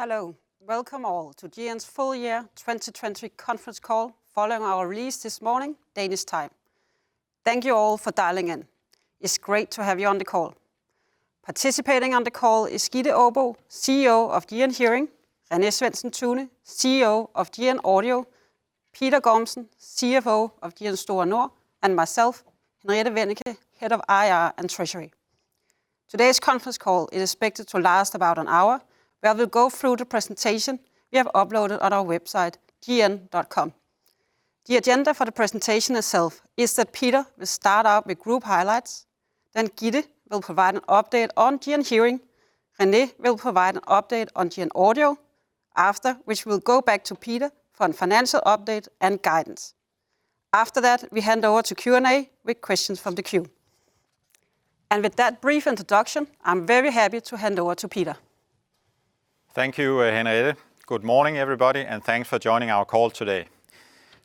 Hello. Welcome all to GN's full year 2020 conference call following our release this morning, Danish time. Thank you all for dialing in. It's great to have you on the call. Participating on the call is Gitte Aabo, CEO of GN Hearing, René Svendsen-Tune, CEO of GN Audio, Peter Gormsen, CFO of GN Store Nord, and myself, Henriette Wennicke, head of IR and Treasury. Today's conference call is expected to last about an hour, where we'll go through the presentation we have uploaded on our website, gn.com. The agenda for the presentation itself is that Peter will start out with group highlights, then Gitte will provide an update on GN Hearing, René will provide an update on GN Audio, after which we'll go back to Peter for a financial update and guidance. We hand over to Q&A with questions from the queue. With that brief introduction, I'm very happy to hand over to Peter. Thank you, Henriette. Good morning, everybody, and thanks for joining our call today.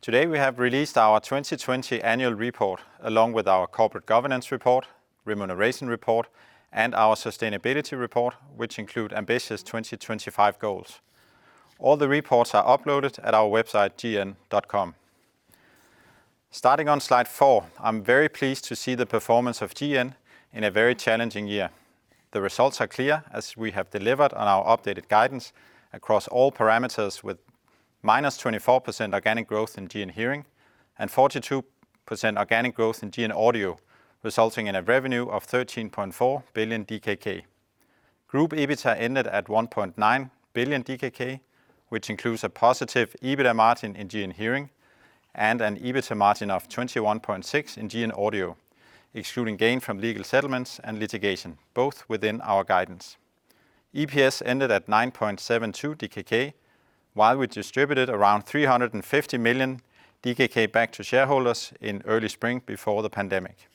Today we have released our 2020 annual report, along with our corporate governance report, remuneration report, and our sustainability report, which include ambitious 2025 goals. All the reports are uploaded at our website, gn.com. Starting on slide four, I'm very pleased to see the performance of GN in a very challenging year. The results are clear, as we have delivered on our updated guidance across all parameters with -24% organic growth in GN Hearing and 42% organic growth in GN Audio, resulting in a revenue of 13.4 billion DKK. Group EBITDA ended at 1.9 billion DKK, which includes a positive EBITDA margin in GN Hearing and an EBITDA margin of 21.6% in GN Audio, excluding gain from legal settlements and litigation, both within our guidance. EPS ended at 9.72 DKK, while we distributed around 350 million DKK back to shareholders in early spring before the pandemic.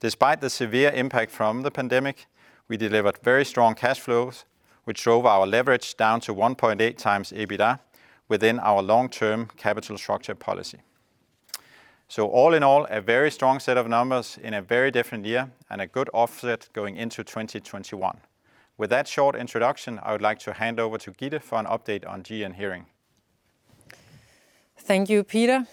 Despite the severe impact from the pandemic, we delivered very strong cash flows, which drove our leverage down to 1.8x EBITDA within our long-term capital structure policy. All in all, a very strong set of numbers in a very different year, and a good offset going into 2021. With that short introduction, I would like to hand over to Gitte for an update on GN Hearing. Thank you, Peter.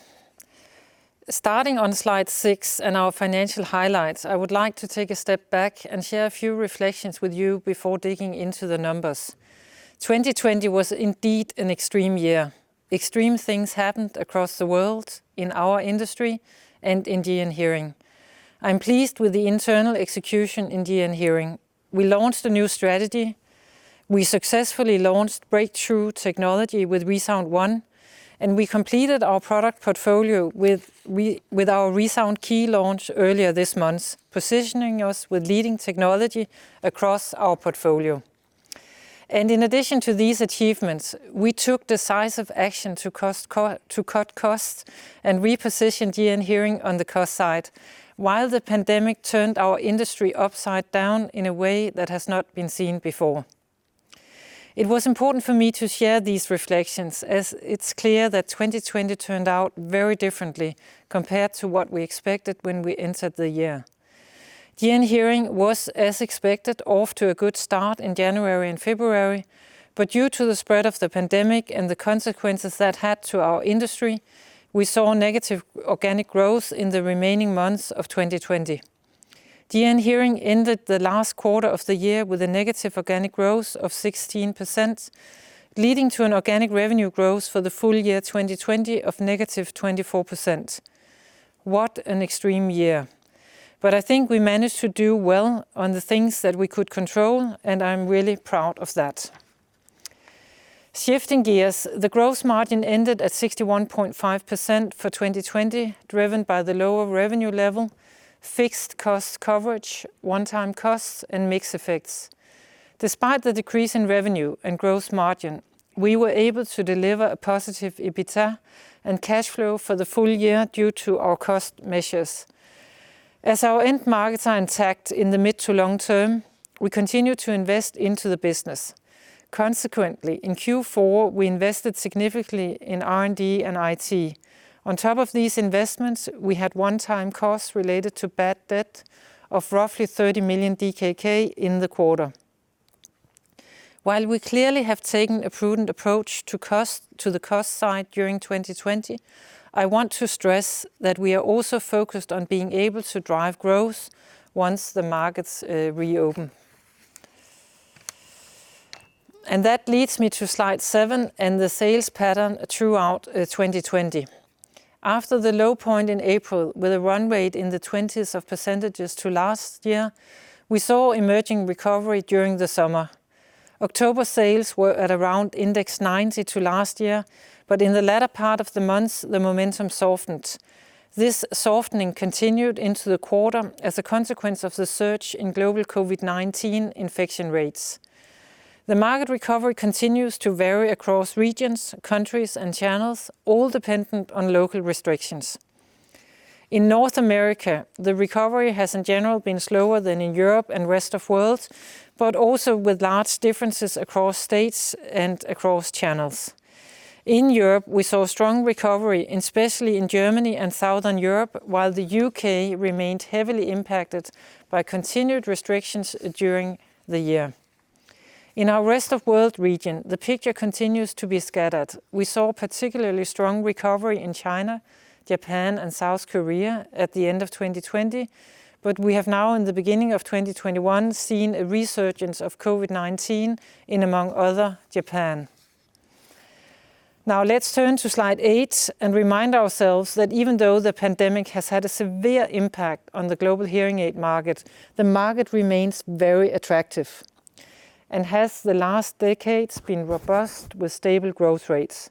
Starting on slide six and our financial highlights, I would like to take a step back and share a few reflections with you before digging into the numbers. 2020 was indeed an extreme year. Extreme things happened across the world, in our industry, and in GN Hearing. I'm pleased with the internal execution in GN Hearing. We launched a new strategy. We successfully launched breakthrough technology with ReSound ONE, and we completed our product portfolio with our ReSound Key launch earlier this month, positioning us with leading technology across our portfolio. In addition to these achievements, we took decisive action to cut costs and repositioned GN Hearing on the cost side, while the pandemic turned our industry upside down in a way that has not been seen before. It was important for me to share these reflections, as it's clear that 2020 turned out very differently compared to what we expected when we entered the year. GN Hearing was, as expected, off to a good start in January and February. Due to the spread of the pandemic and the consequences that had to our industry, we saw negative organic growth in the remaining months of 2020. GN Hearing ended the last quarter of the year with a negative organic growth of 16%, leading to an organic revenue growth for the full year 2020 of -24%. What an extreme year. I think we managed to do well on the things that we could control, and I'm really proud of that. Shifting gears, the gross margin ended at 61.5% for 2020, driven by the lower revenue level, fixed cost coverage, one-time costs, and mix effects. Despite the decrease in revenue and gross margin, we were able to deliver a positive EBITDA and cash flow for the full year due to our cost measures. Our end markets are intact in the mid to long term, we continue to invest into the business. Consequently, in Q4, we invested significantly in R&D and IT. On top of these investments, we had one-time costs related to bad debt of roughly 30 million DKK in the quarter. While we clearly have taken a prudent approach to the cost side during 2020, I want to stress that we are also focused on being able to drive growth once the markets reopen. That leads me to slide seven and the sales pattern throughout 2020. After the low point in April with a run rate in the 20s of percentages to last year, we saw emerging recovery during the summer. October sales were at around index 90 to last year, but in the latter part of the month, the momentum softened. This softening continued into the quarter as a consequence of the surge in global COVID-19 infection rates. The market recovery continues to vary across regions, countries, and channels, all dependent on local restrictions. In North America, the recovery has in general been slower than in Europe and Rest of World, but also with large differences across states and across channels. In Europe, we saw strong recovery, especially in Germany and Southern Europe, while the U.K. remained heavily impacted by continued restrictions during the year. In our Rest of World region, the picture continues to be scattered. We saw a particularly strong recovery in China, Japan, and South Korea at the end of 2020, but we have now in the beginning of 2021, seen a resurgence of COVID-19 in, among others, Japan. Now let's turn to slide eight and remind ourselves that even though the pandemic has had a severe impact on the global hearing aid market, the market remains very attractive and has for the last decades been robust with stable growth rates.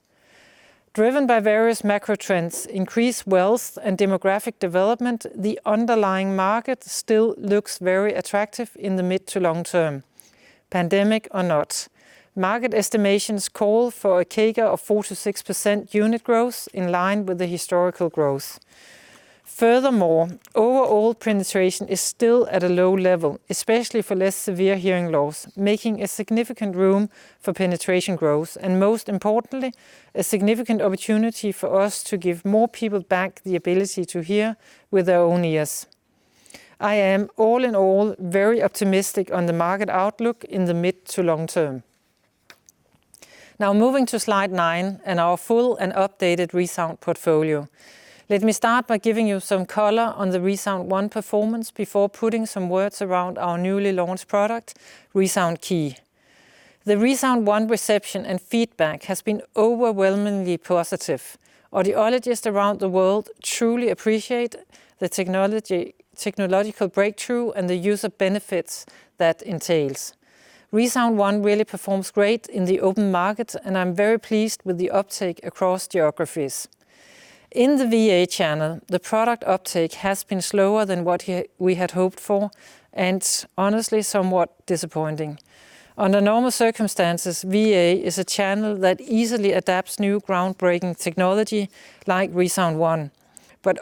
Driven by various macro trends, increased wealth, and demographic development, the underlying market still looks very attractive in the mid to long-term, pandemic or not. Market estimations call for a CAGR of 4%-6% unit growth in line with the historical growth. Furthermore, overall penetration is still at a low level, especially for less severe hearing loss, making a significant room for penetration growth and most importantly, a significant opportunity for us to give more people back the ability to hear with their own ears. I am all in all, very optimistic on the market outlook in the mid to long term. Now moving to slide nine and our full and updated ReSound portfolio. Let me start by giving you some color on the ReSound ONE performance before putting some words around our newly launched product, ReSound Key. The ReSound ONE reception and feedback has been overwhelmingly positive. Audiologists around the world truly appreciate the technological breakthrough and the user benefits that entails. ReSound ONE really performs great in the open market, and I'm very pleased with the uptake across geographies. In the VA channel, the product uptake has been slower than what we had hoped for and honestly, somewhat disappointing. Under normal circumstances, VA is a channel that easily adapts new groundbreaking technology like ReSound ONE.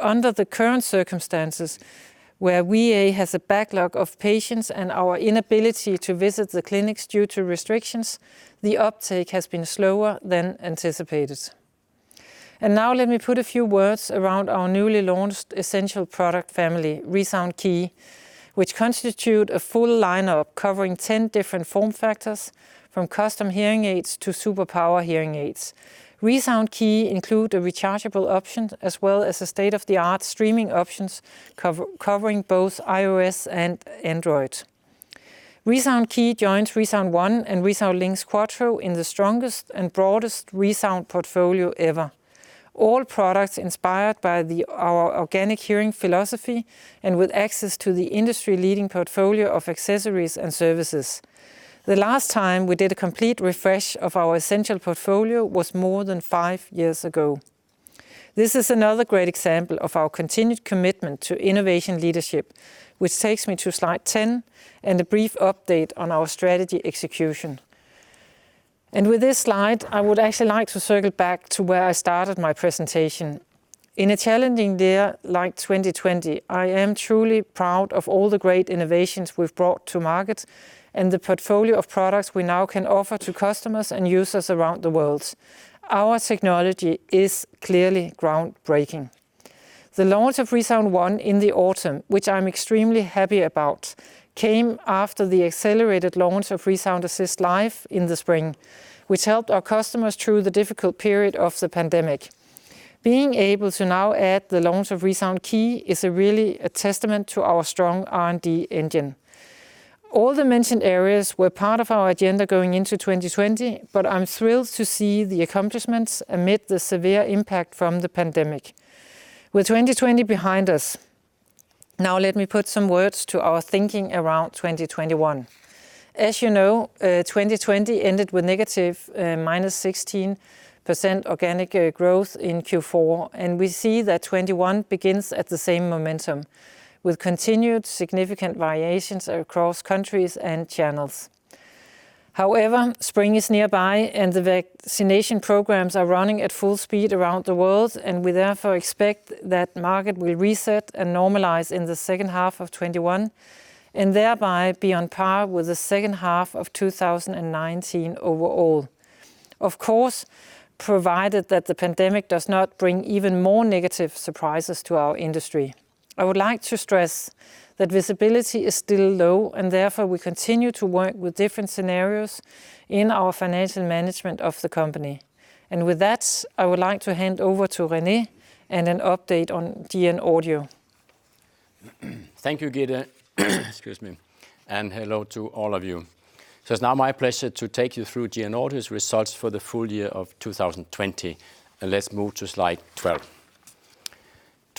Under the current circumstances, where VA has a backlog of patients and our inability to visit the clinics due to restrictions, the uptake has been slower than anticipated. Now let me put a few words around our newly launched essential product family, ReSound Key, which constitutes a full lineup covering 10 different form factors from custom hearing aids to super power hearing aids. ReSound Key includes a rechargeable option as well as state-of-the-art streaming options covering both iOS and Android. ReSound Key joins ReSound ONE and ReSound LiNX Quattro in the strongest and broadest ReSound portfolio ever. All products inspired by our Organic Hearing philosophy and with access to the industry-leading portfolio of accessories and services. The last time we did a complete refresh of our essential portfolio was more than five years ago. This is another great example of our continued commitment to innovation leadership, which takes me to slide 10 and a brief update on our strategy execution. With this slide, I would actually like to circle back to where I started my presentation. In a challenging year like 2020, I am truly proud of all the great innovations we've brought to market and the portfolio of products we now can offer to customers and users around the world. Our technology is clearly groundbreaking. The launch of ReSound ONE in the autumn, which I'm extremely happy about, came after the accelerated launch of ReSound Assist Live in the spring, which helped our customers through the difficult period of the pandemic. Being able to now add the launch of ReSound Key is really a testament to our strong R&D engine. All the mentioned areas were part of our agenda going into 2020, but I'm thrilled to see the accomplishments amid the severe impact from the pandemic. With 2020 behind us, now let me put some words to our thinking around 2021. As you know, 2020 ended with -16% organic growth in Q4, and we see that 2021 begins at the same momentum, with continued significant variations across countries and channels. However, spring is nearby, and the vaccination programs are running at full speed around the world, and we therefore expect that market will reset and normalize in the second half of 2021, and thereby be on par with the second half of 2019 overall. Of course, provided that the pandemic does not bring even more negative surprises to our industry. I would like to stress that visibility is still low, and therefore, we continue to work with different scenarios in our financial management of the company. With that, I would like to hand over to René and an update on GN Audio. Thank you, Gitte. Excuse me. Hello to all of you. It's now my pleasure to take you through GN Audio's results for the full year of 2020. Let's move to slide 12.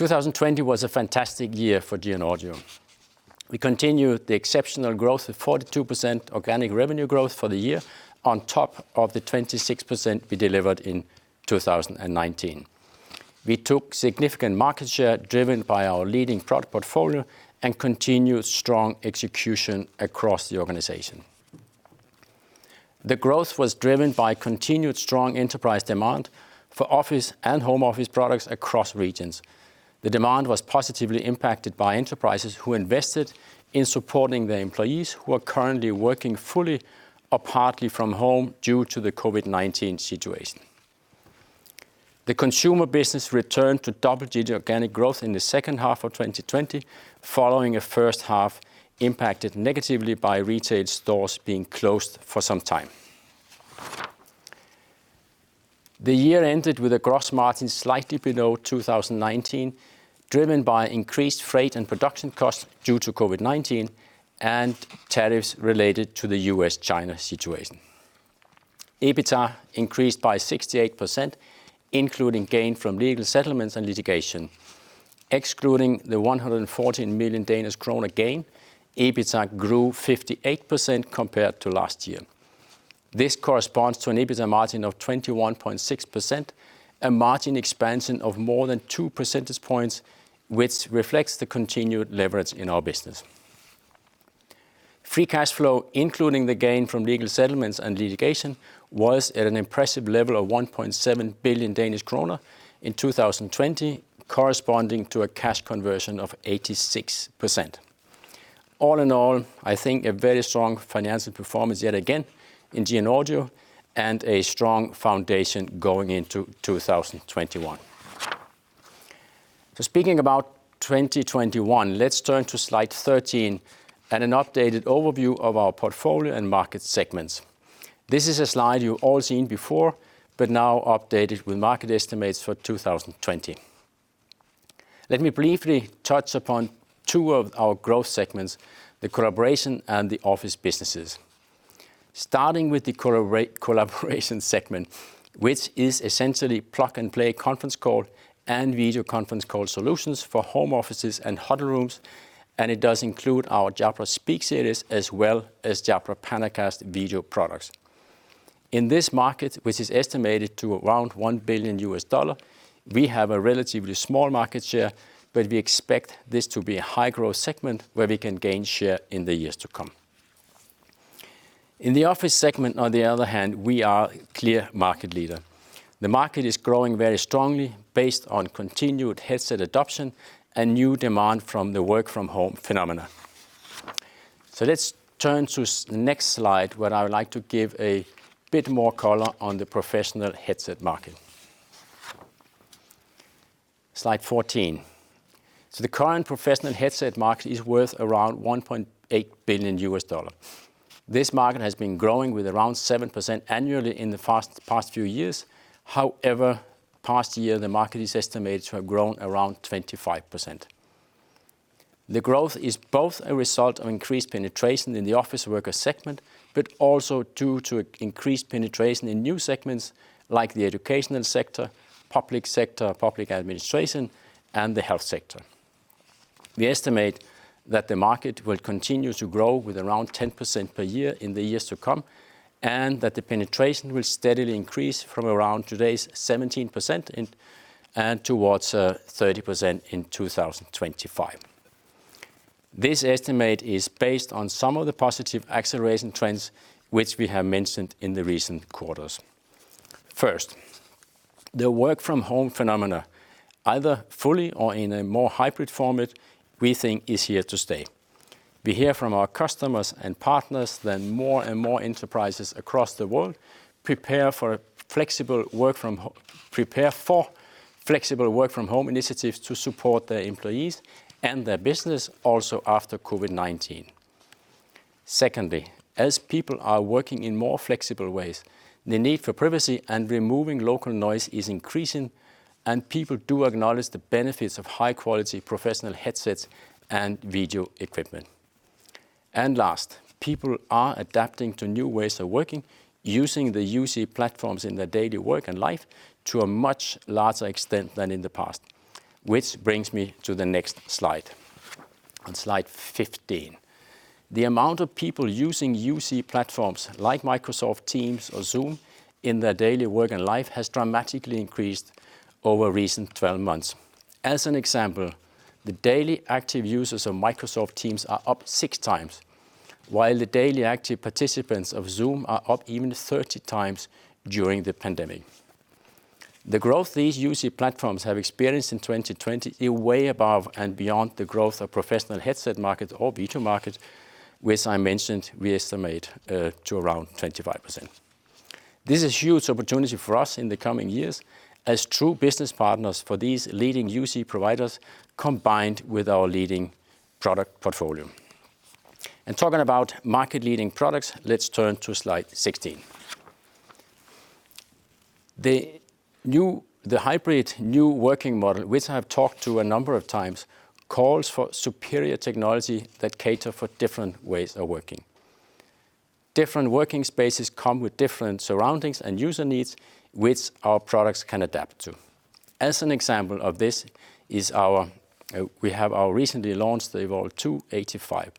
2020 was a fantastic year for GN Audio. We continued the exceptional growth of 42% organic revenue growth for the year on top of the 26% we delivered in 2019. We took significant market share driven by our leading product portfolio and continued strong execution across the organization. The growth was driven by continued strong enterprise demand for office and home office products across regions. The demand was positively impacted by enterprises who invested in supporting their employees who are currently working fully or partly from home due to the COVID-19 situation. The consumer business returned to double-digit organic growth in the second half of 2020, following a first half impacted negatively by retail stores being closed for some time. The year ended with a gross margin slightly below 2019, driven by increased freight and production costs due to COVID-19 and tariffs related to the U.S.-China situation. EBITDA increased by 68%, including gain from legal settlements and litigation. Excluding the 114 million Danish kroner gain, EBITDA grew 58% compared to last year. This corresponds to an EBITDA margin of 21.6%, a margin expansion of more than 2 percentage points, which reflects the continued leverage in our business. Free cash flow, including the gain from legal settlements and litigation, was at an impressive level of 1.7 billion Danish kroner in 2020, corresponding to a cash conversion of 86%. I think a very strong financial performance yet again in GN Audio and a strong foundation going into 2021. Speaking about 2021, let's turn to slide 13 and an updated overview of our portfolio and market segments. This is a slide you've all seen before, now updated with market estimates for 2020. Let me briefly touch upon two of our growth segments, the collaboration and the office businesses. Starting with the collaboration segment, which is essentially plug-and-play conference call and video conference call solutions for home offices and huddle rooms, it does include our Jabra Speak series, as well as Jabra PanaCast video products. In this market, which is estimated to around $1 billion, we have a relatively small market share, but we expect this to be a high-growth segment where we can gain share in the years to come. In the office segment, on the other hand, we are clear market leader. The market is growing very strongly based on continued headset adoption and new demand from the work-from-home phenomena. Let's turn to the next slide, where I would like to give a bit more color on the professional headset market. Slide 14. The current professional headset market is worth around $1.8 billion. This market has been growing with around 7% annually in the past few years. However, past year, the market is estimated to have grown around 25%. The growth is both a result of increased penetration in the office worker segment, but also due to increased penetration in new segments like the educational sector, public sector, public administration, and the health sector. We estimate that the market will continue to grow with around 10% per year in the years to come, and that the penetration will steadily increase from around today's 17% and towards 30% in 2025. This estimate is based on some of the positive acceleration trends which we have mentioned in the recent quarters. First, the work-from-home phenomena, either fully or in a more hybrid format, we think is here to stay. We hear from our customers and partners that more and more enterprises across the world prepare for flexible work-from-home initiatives to support their employees and their business also after COVID-19. As people are working in more flexible ways, the need for privacy and removing local noise is increasing, and people do acknowledge the benefits of high-quality professional headsets and video equipment. Last, people are adapting to new ways of working, using the UC platforms in their daily work and life to a much larger extent than in the past, which brings me to the next slide. On slide 15. The amount of people using UC platforms like Microsoft Teams or Zoom in their daily work and life has dramatically increased over recent 12 months. As an example, the daily active users of Microsoft Teams are up 6x, while the daily active participants of Zoom are up even 30x during the pandemic. The growth these UC platforms have experienced in 2020 is way above and beyond the growth of professional headset market or virtual market, which I mentioned we estimate to around 25%. Talking about market-leading products, let's turn to slide 16. The hybrid new working model, which I've talked to a number of times, calls for superior technology that cater to different ways of working. Different working spaces come with different surroundings and user needs, which our products can adapt to. As an example of this, we have our recently launched Evolve2 85.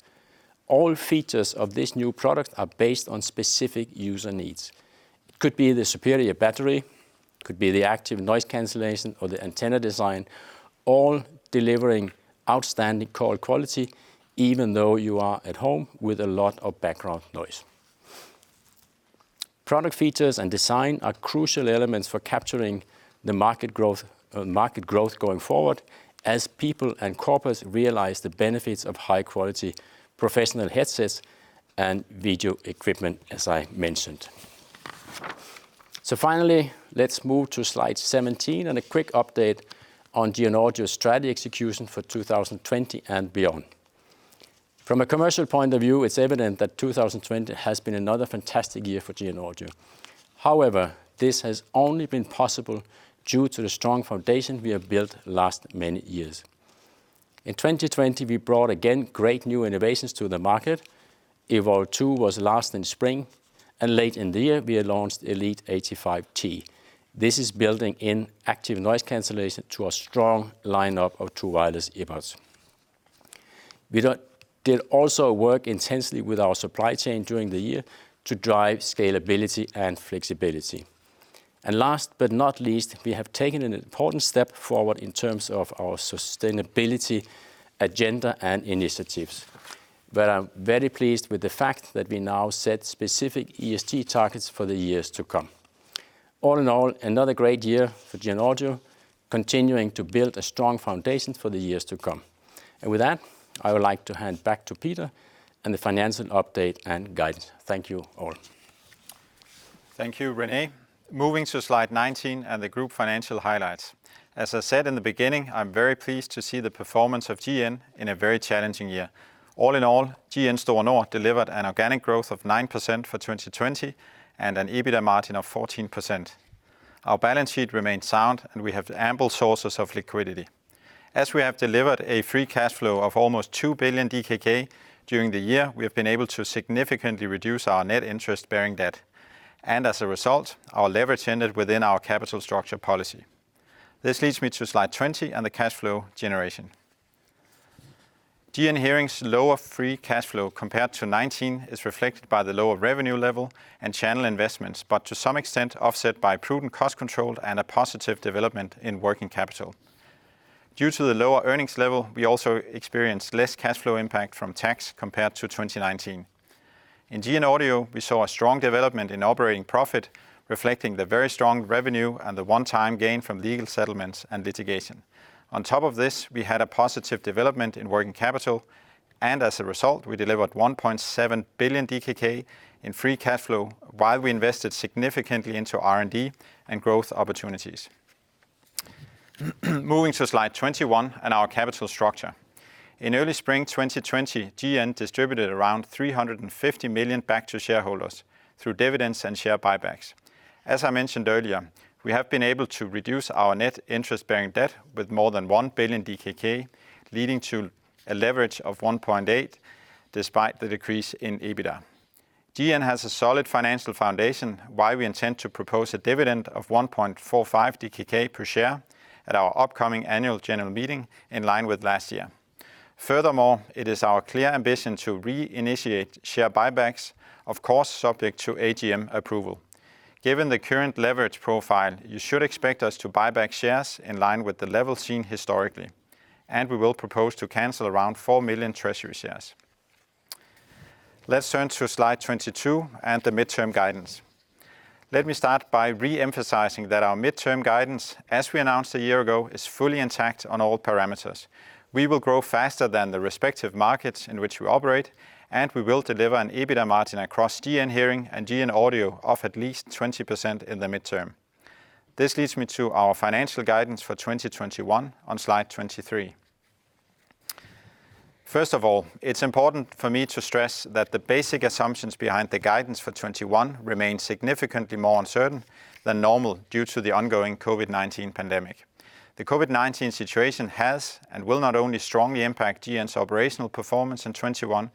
All features of this new product are based on specific user needs. It could be the superior battery, could be the active noise cancellation or the antenna design, all delivering outstanding call quality even though you are at home with a lot of background noise. Product features and design are crucial elements for capturing the market growth going forward as people and corporates realize the benefits of high-quality professional headsets and video equipment, as I mentioned. Finally, let's move to slide 17 and a quick update on GN Audio's strategy execution for 2020 and beyond. From a commercial point of view, it's evident that 2020 has been another fantastic year for GN Audio. However, this has only been possible due to the strong foundation we have built the last many years. In 2020, we brought, again, great new innovations to the market. Evolve2 was last in spring, and late in the year, we launched Elite 85t. This is building in active noise cancellation to our strong lineup of true wireless earbuds. We did also work intensely with our supply chain during the year to drive scalability and flexibility. Last but not least, we have taken an important step forward in terms of our sustainability agenda and initiatives, where I'm very pleased with the fact that we now set specific ESG targets for the years to come. All in all, another great year for GN Audio, continuing to build a strong foundation for the years to come. With that, I would like to hand back to Peter and the financial update and guidance. Thank you, all. Thank you, René. Moving to slide 19 and the group financial highlights. As I said in the beginning, I'm very pleased to see the performance of GN in a very challenging year. All in all, GN Store Nord delivered an organic growth of 9% for 2020 and an EBITDA margin of 14%. Our balance sheet remains sound, and we have ample sources of liquidity. As we have delivered a free cash flow of almost 2 billion DKK during the year, we have been able to significantly reduce our net interest-bearing debt. As a result, our leverage ended within our capital structure policy. This leads me to slide 20 on the cash flow generation. GN Hearing's lower free cash flow compared to 2019 is reflected by the lower revenue level and channel investments, but to some extent, offset by prudent cost control and a positive development in working capital. Due to the lower earnings level, we also experienced less cash flow impact from tax compared to 2019. In GN Audio, we saw a strong development in operating profit, reflecting the very strong revenue and the one-time gain from legal settlements and litigation. On top of this, we had a positive development in working capital, and as a result, we delivered 1.7 billion DKK in free cash flow while we invested significantly into R&D and growth opportunities. Moving to slide 21 and our capital structure. In early spring 2020, GN distributed around 350 million back to shareholders through dividends and share buybacks. As I mentioned earlier, we have been able to reduce our net interest-bearing debt with more than 1 billion DKK, leading to a leverage of 1.8 despite the decrease in EBITDA. GN has a solid financial foundation. Why we intend to propose a dividend of 1.45 DKK per share at our upcoming annual general meeting in line with last year. It is our clear ambition to re-initiate share buybacks, of course, subject to AGM approval. Given the current leverage profile, you should expect us to buy back shares in line with the level seen historically, and we will propose to cancel around 4 million treasury shares. Let's turn to slide 22 and the midterm guidance. Let me start by re-emphasizing that our midterm guidance, as we announced a year ago, is fully intact on all parameters. We will grow faster than the respective markets in which we operate, and we will deliver an EBITDA margin across GN Hearing and GN Audio of at least 20% in the midterm. This leads me to our financial guidance for 2021 on slide 23. First of all, it's important for me to stress that the basic assumptions behind the guidance for 2021 remain significantly more uncertain than normal due to the ongoing COVID-19 pandemic. The COVID-19 situation has and will not only strongly impact GN's operational performance in 2021,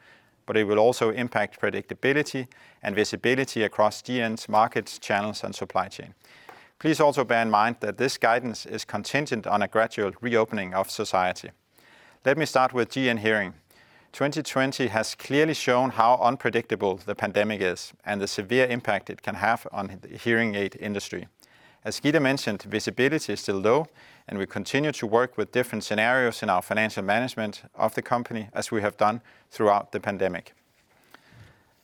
but it will also impact predictability and visibility across GN's markets, channels, and supply chain. Please also bear in mind that this guidance is contingent on a gradual reopening of society. Let me start with GN Hearing. 2020 has clearly shown how unpredictable the pandemic is and the severe impact it can have on the hearing aid industry. As Gitte mentioned, visibility is still low, and we continue to work with different scenarios in our financial management of the company as we have done throughout the pandemic.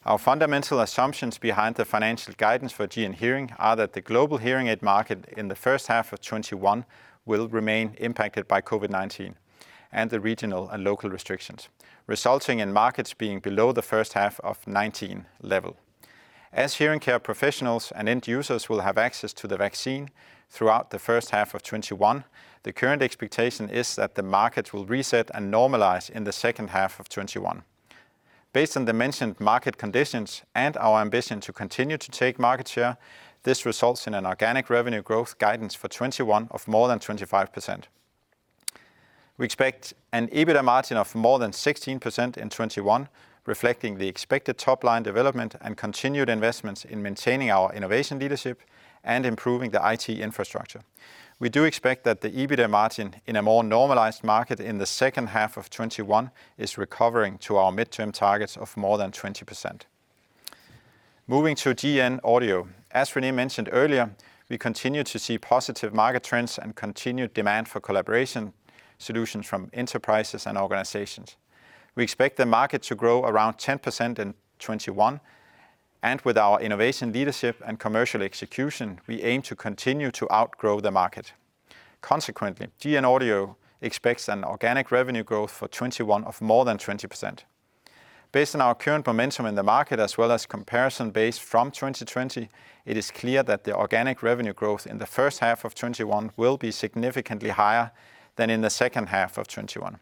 Our fundamental assumptions behind the financial guidance for GN Hearing are that the global hearing aid market in the first half of 2021 will remain impacted by COVID-19 and the regional and local restrictions, resulting in markets being below the first half of 2019 level. As hearing care professionals and end users will have access to the vaccine throughout the first half of 2021, the current expectation is that the market will reset and normalize in the second half of 2021. Based on the mentioned market conditions and our ambition to continue to take market share, this results in an organic revenue growth guidance for 2021 of more than 25%. We expect an EBITDA margin of more than 16% in 2021, reflecting the expected top-line development and continued investments in maintaining our innovation leadership and improving the IT infrastructure. We do expect that the EBITDA margin in a more normalized market in the second half of 2021 is recovering to our midterm targets of more than 20%. Moving to GN Audio. As René mentioned earlier, we continue to see positive market trends and continued demand for collaboration solutions from enterprises and organizations. We expect the market to grow around 10% in 2021. With our innovation leadership and commercial execution, we aim to continue to outgrow the market. Consequently, GN Audio expects an organic revenue growth for 2021 of more than 20%. Based on our current momentum in the market, as well as comparison base from 2020, it is clear that the organic revenue growth in the first half of 2021 will be significantly higher than in the second half of 2021.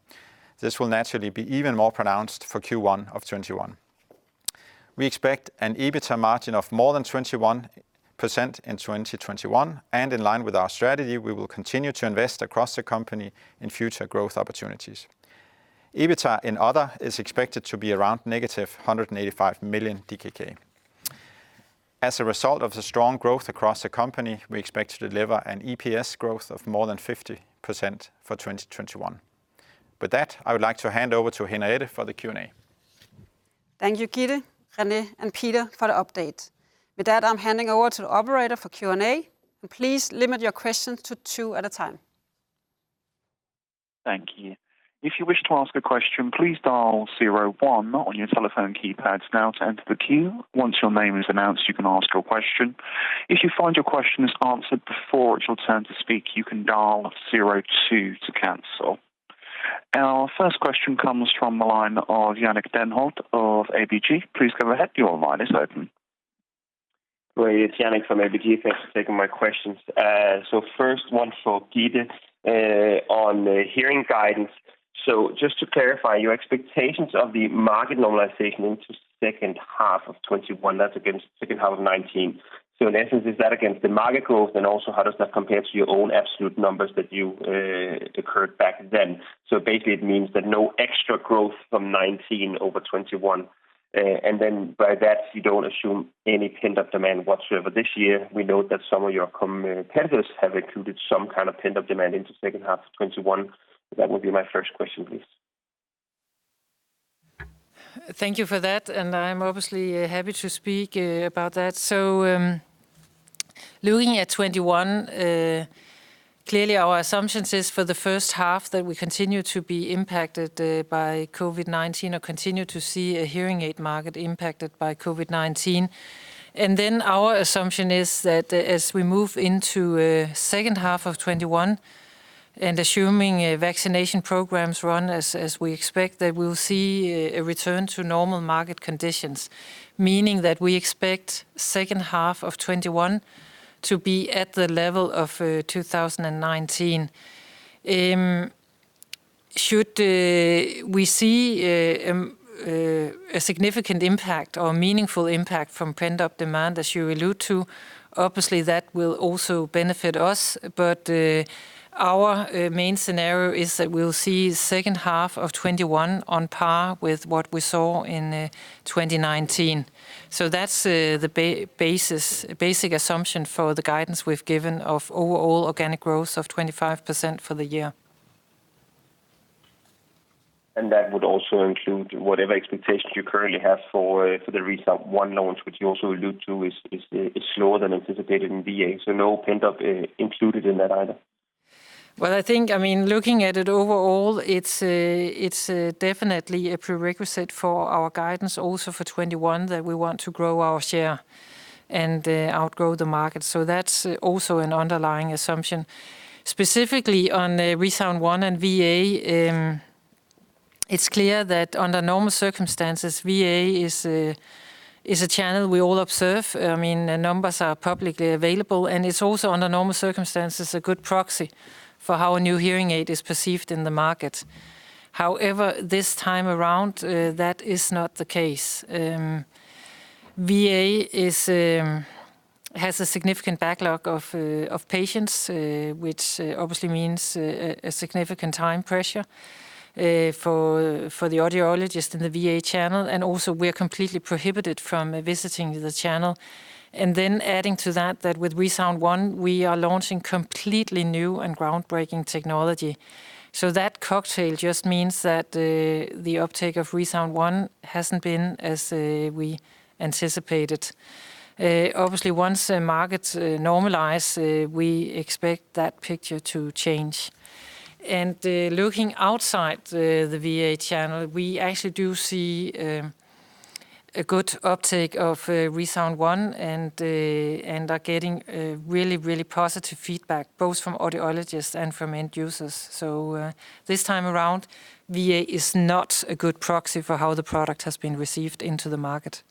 This will naturally be even more pronounced for Q1 of 2021. We expect an EBITA margin of more than 21% in 2021, and in line with our strategy, we will continue to invest across the company in future growth opportunities. EBITA in Other is expected to be around -185 million DKK. As a result of the strong growth across the company, we expect to deliver an EPS growth of more than 50% for 2021. With that, I would like to hand over to Henriette for the Q&A. Thank you, Gitte, René, and Peter, for the update. With that, I'm handing over to the operator for Q&A, and please limit your questions to two at a time. Thank you. If you wish to ask a question, please dial zero one on your telephone keypads now to enter the queue. Once your name is announced, you can ask your question. If you find your question is answered before it's your turn to speak, you can dial zero two to cancel. Our first question comes from the line of Jannick Denholt of ABG Sundal Collier. Please go ahead. Your line is open. Great. It's Jannick from ABG Sundal Collier. Thanks for taking my questions. First one for Gitte on the hearing guidance. Just to clarify, your expectations of the market normalization into second half of 2021, that's against second half of 2019. In essence, is that against the market growth? Also, how does that compare to your own absolute numbers that you incurred back then? Basically, it means that no extra growth from 2019 over 2021, and then by that you don't assume any pent-up demand whatsoever this year. We note that some of your competitors have included some kind of pent-up demand into second half of 2021. That would be my first question, please. Thank you for that. I'm obviously happy to speak about that. Looking at 2021, clearly our assumption is for the first half that we continue to be impacted by COVID-19 or continue to see a hearing aid market impacted by COVID-19. Our assumption is that as we move into second half of 2021, and assuming vaccination programs run as we expect, that we'll see a return to normal market conditions, meaning that we expect second half of 2021 to be at the level of 2019. Should we see a significant impact or meaningful impact from pent-up demand as you allude to, obviously that will also benefit us, but our main scenario is that we'll see second half of 2021 on par with what we saw in 2019. That's the basic assumption for the guidance we've given of overall organic growth of 25% for the year. That would also include whatever expectations you currently have for the ReSound ONE launch, which you also allude to is slower than anticipated in VA. So no pent-up included in that either? I think, looking at it overall, it's definitely a prerequisite for our guidance also for 2021, that we want to grow our share and outgrow the market. That's also an underlying assumption. Specifically on ReSound ONE and VA, it's clear that under normal circumstances, VA is a channel we all observe. The numbers are publicly available, and it's also, under normal circumstances, a good proxy for how a new hearing aid is perceived in the market. However, this time around, that is not the case. VA has a significant backlog of patients, which obviously means a significant time pressure for the audiologist in the VA channel, and also we are completely prohibited from visiting the channel. Adding to that with ReSound ONE, we are launching completely new and groundbreaking technology. That cocktail just means that the uptake of ReSound ONE hasn't been as we anticipated. Obviously, once the markets normalize, we expect that picture to change. Looking outside the VA channel, we actually do see a good uptake of ReSound ONE and are getting really positive feedback, both from audiologists and from end users. This time around, VA is not a good proxy for how the product has been received into the market.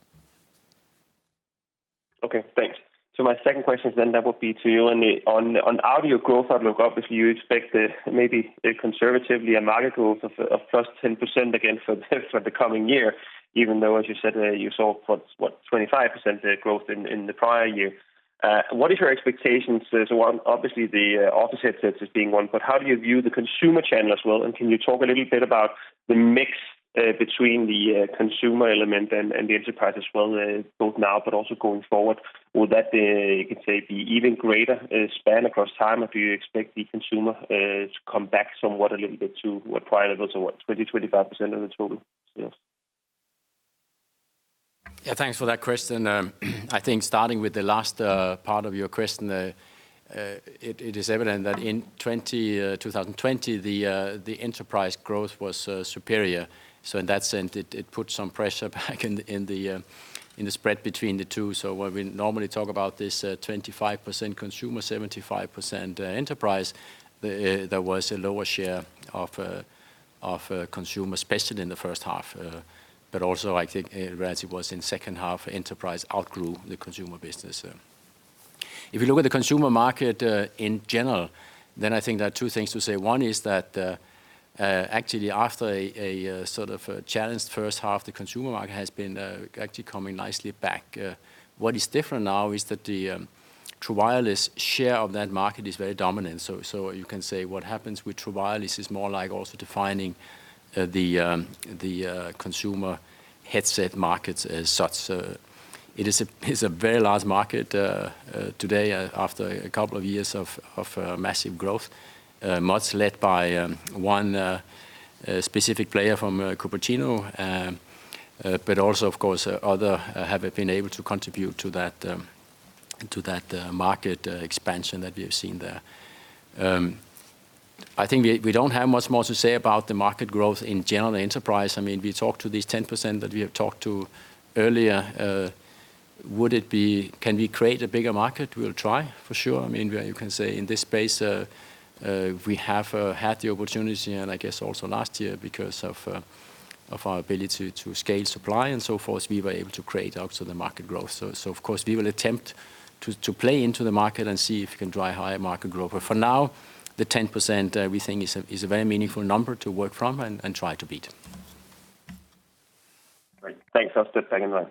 Okay, thanks. My second question then that would be to you, René. On Audio growth outlook, obviously you expect maybe conservatively a market growth of +10% again for the coming year, even though, as you said, you saw, what, 25% growth in the prior year. What is your expectations as, one, obviously the office headsets as being one, but how do you view the consumer channel as well, and can you talk a little bit about the mix between the consumer element and the enterprise as well, both now but also going forward? Will that, you can say, be even greater span across time, if you expect the consumer to come back somewhat a little bit to what prior levels of, what, 20%, 25% of the total sales? Yeah. Thanks for that question. I think starting with the last part of your question. It is evident that in 2020, the enterprise growth was superior. In that sense, it put some pressure back in the spread between the two. Where we normally talk about this 25% consumer, 75% enterprise, there was a lower share of consumer, especially in the first half. Also, I think relatively was in second half, enterprise outgrew the consumer business. If you look at the consumer market in general, I think there are two things to say. One is that, actually after a sort of a challenged first half, the consumer market has been actually coming nicely back. What is different now is that the true wireless share of that market is very dominant. You can say what happens with true wireless is more like also defining the consumer headset markets as such. It is a very large market today after a couple of years of massive growth, much led by one specific player from Cupertino. Also, of course, other have been able to contribute to that market expansion that we have seen there. I think we don't have much more to say about the market growth in general enterprise. We talked to these 10% that we have talked to earlier. Can we create a bigger market? We'll try, for sure. You can say in this space, we have had the opportunity, and I guess also last year, because of our ability to scale supply and so forth, we were able to create also the market growth. Of course, we will attempt to play into the market and see if we can drive higher market growth. For now, the 10%, we think is a very meaningful number to work from and try to beat. Great. Thanks. I'll step back in line.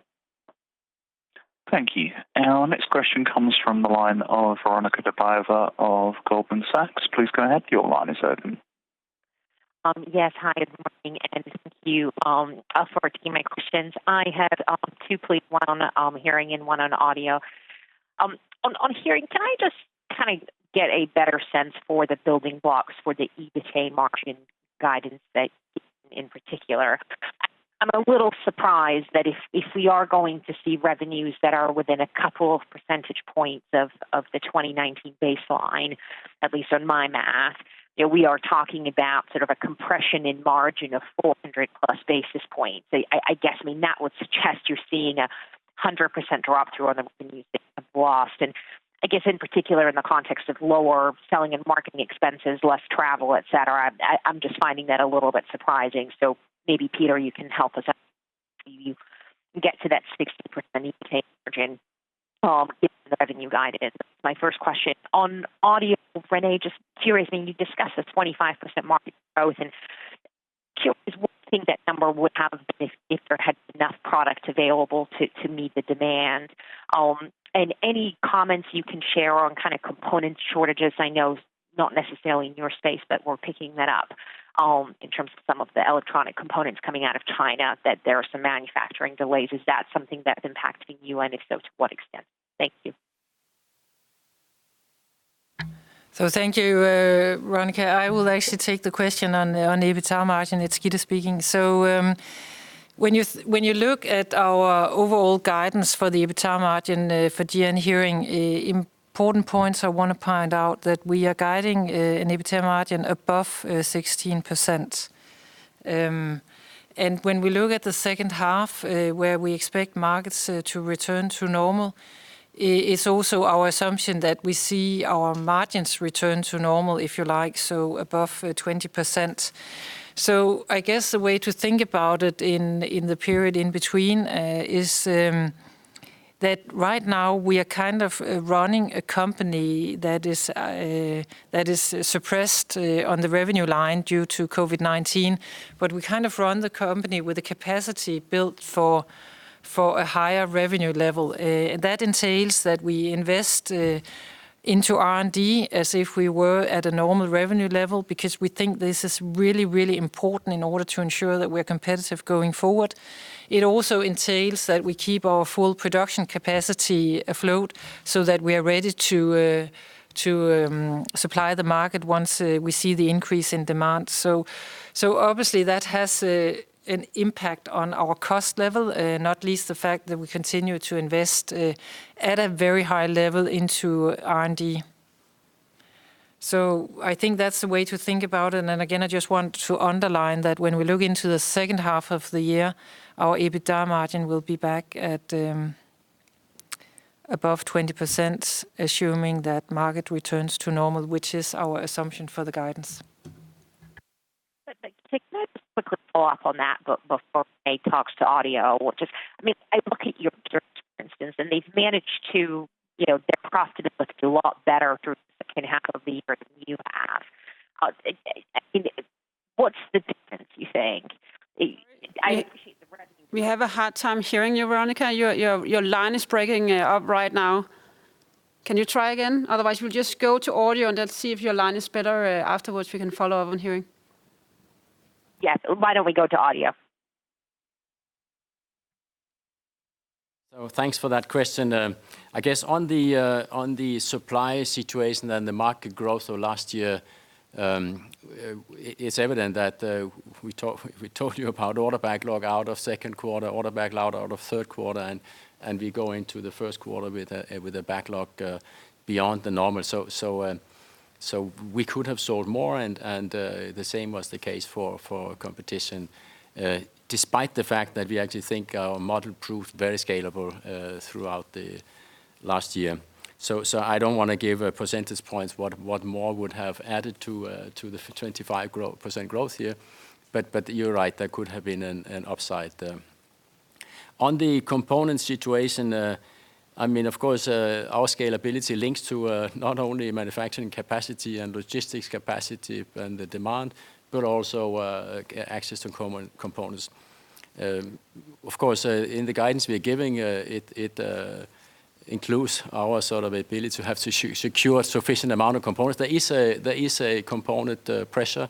Thank you. Our next question comes from the line of Veronika Dubajova of Goldman Sachs. Please go ahead. Your line is open. Yes. Hi, good morning, thank you for taking my questions. I have two, please. One on Hearing and one on Audio. On Hearing, can I just kind of get a better sense for the building blocks for the EBITDA margin guidance that Gitte, in particular. I'm a little surprised that if we are going to see revenues that are within a couple of percentage points of the 2019 baseline, at least on my math, we are talking about sort of a compression in margin of 400+ basis points. I guess, that would suggest you're seeing a 100% drop-through on the revenues that you have lost, in particular in the context of lower selling and marketing expenses, less travel, et cetera. I'm just finding that a little bit surprising. Maybe, Peter, you can help us out. Maybe you can get to that 60% EBITDA margin given the revenue guidance. That's my first question. On Audio, René, just curious, when you discuss the 25% market growth and curious what you think that number would have been if there had been enough product available to meet the demand. Any comments you can share on kind of component shortages. I know not necessarily in your space, but we're picking that up in terms of some of the electronic components coming out of China, that there are some manufacturing delays. Is that something that's impacting you, and if so, to what extent? Thank you. Thank you, Veronika. I will actually take the question on the EBITDA margin. It's Gitte speaking. When you look at our overall guidance for the EBITDA margin for GN Hearing, important points I want to point out that we are guiding an EBITDA margin above 16%. When we look at the second half, where we expect markets to return to normal, it's also our assumption that we see our margins return to normal, if you like, so above 20%. I guess the way to think about it in the period in between is that right now we are kind of running a company that is suppressed on the revenue line due to COVID-19, but we kind of run the company with a capacity built for a higher revenue level. That entails that we invest into R&D as if we were at a normal revenue level because we think this is really, really important in order to ensure that we're competitive going forward. It also entails that we keep our full production capacity afloat so that we are ready to supply the market once we see the increase in demand. Obviously, that has an impact on our cost level, not least the fact that we continue to invest at a very high level into R&D. I think that's the way to think about it. Again, I just want to underline that when we look into the second half of the year, our EBITDA margin will be back at above 20%, assuming that market returns to normal, which is our assumption for the guidance. Can I just quickly follow up on that before René talks to GN Audio? I look at your peers, for instance, and their profitability looks a lot better through the second half of the year than you have. What's the difference, you think? I appreciate the revenue. We have a hard time hearing you, Veronika. Your line is breaking up right now. Can you try again? Otherwise, we'll just go to Audio and then see if your line is better. Afterwards, we can follow up on Hearing. Yes. Why don't we go to Audio? Thanks for that question. I guess on the supply situation and the market growth of last year, it's evident that we told you about order backlog out of second quarter, order backlog out of third quarter, and we go into the first quarter with a backlog beyond the normal. We could have sold more and the same was the case for competition, despite the fact that we actually think our model proved very scalable throughout the last year. I don't want to give a percentage points what more would have added to the 25% growth here. You're right, there could have been an upside there. On the component situation, of course, our scalability links to not only manufacturing capacity and logistics capacity and the demand, but also access to components. In the guidance we're giving, it includes our sort of ability to have to secure sufficient amount of components. There is a component pressure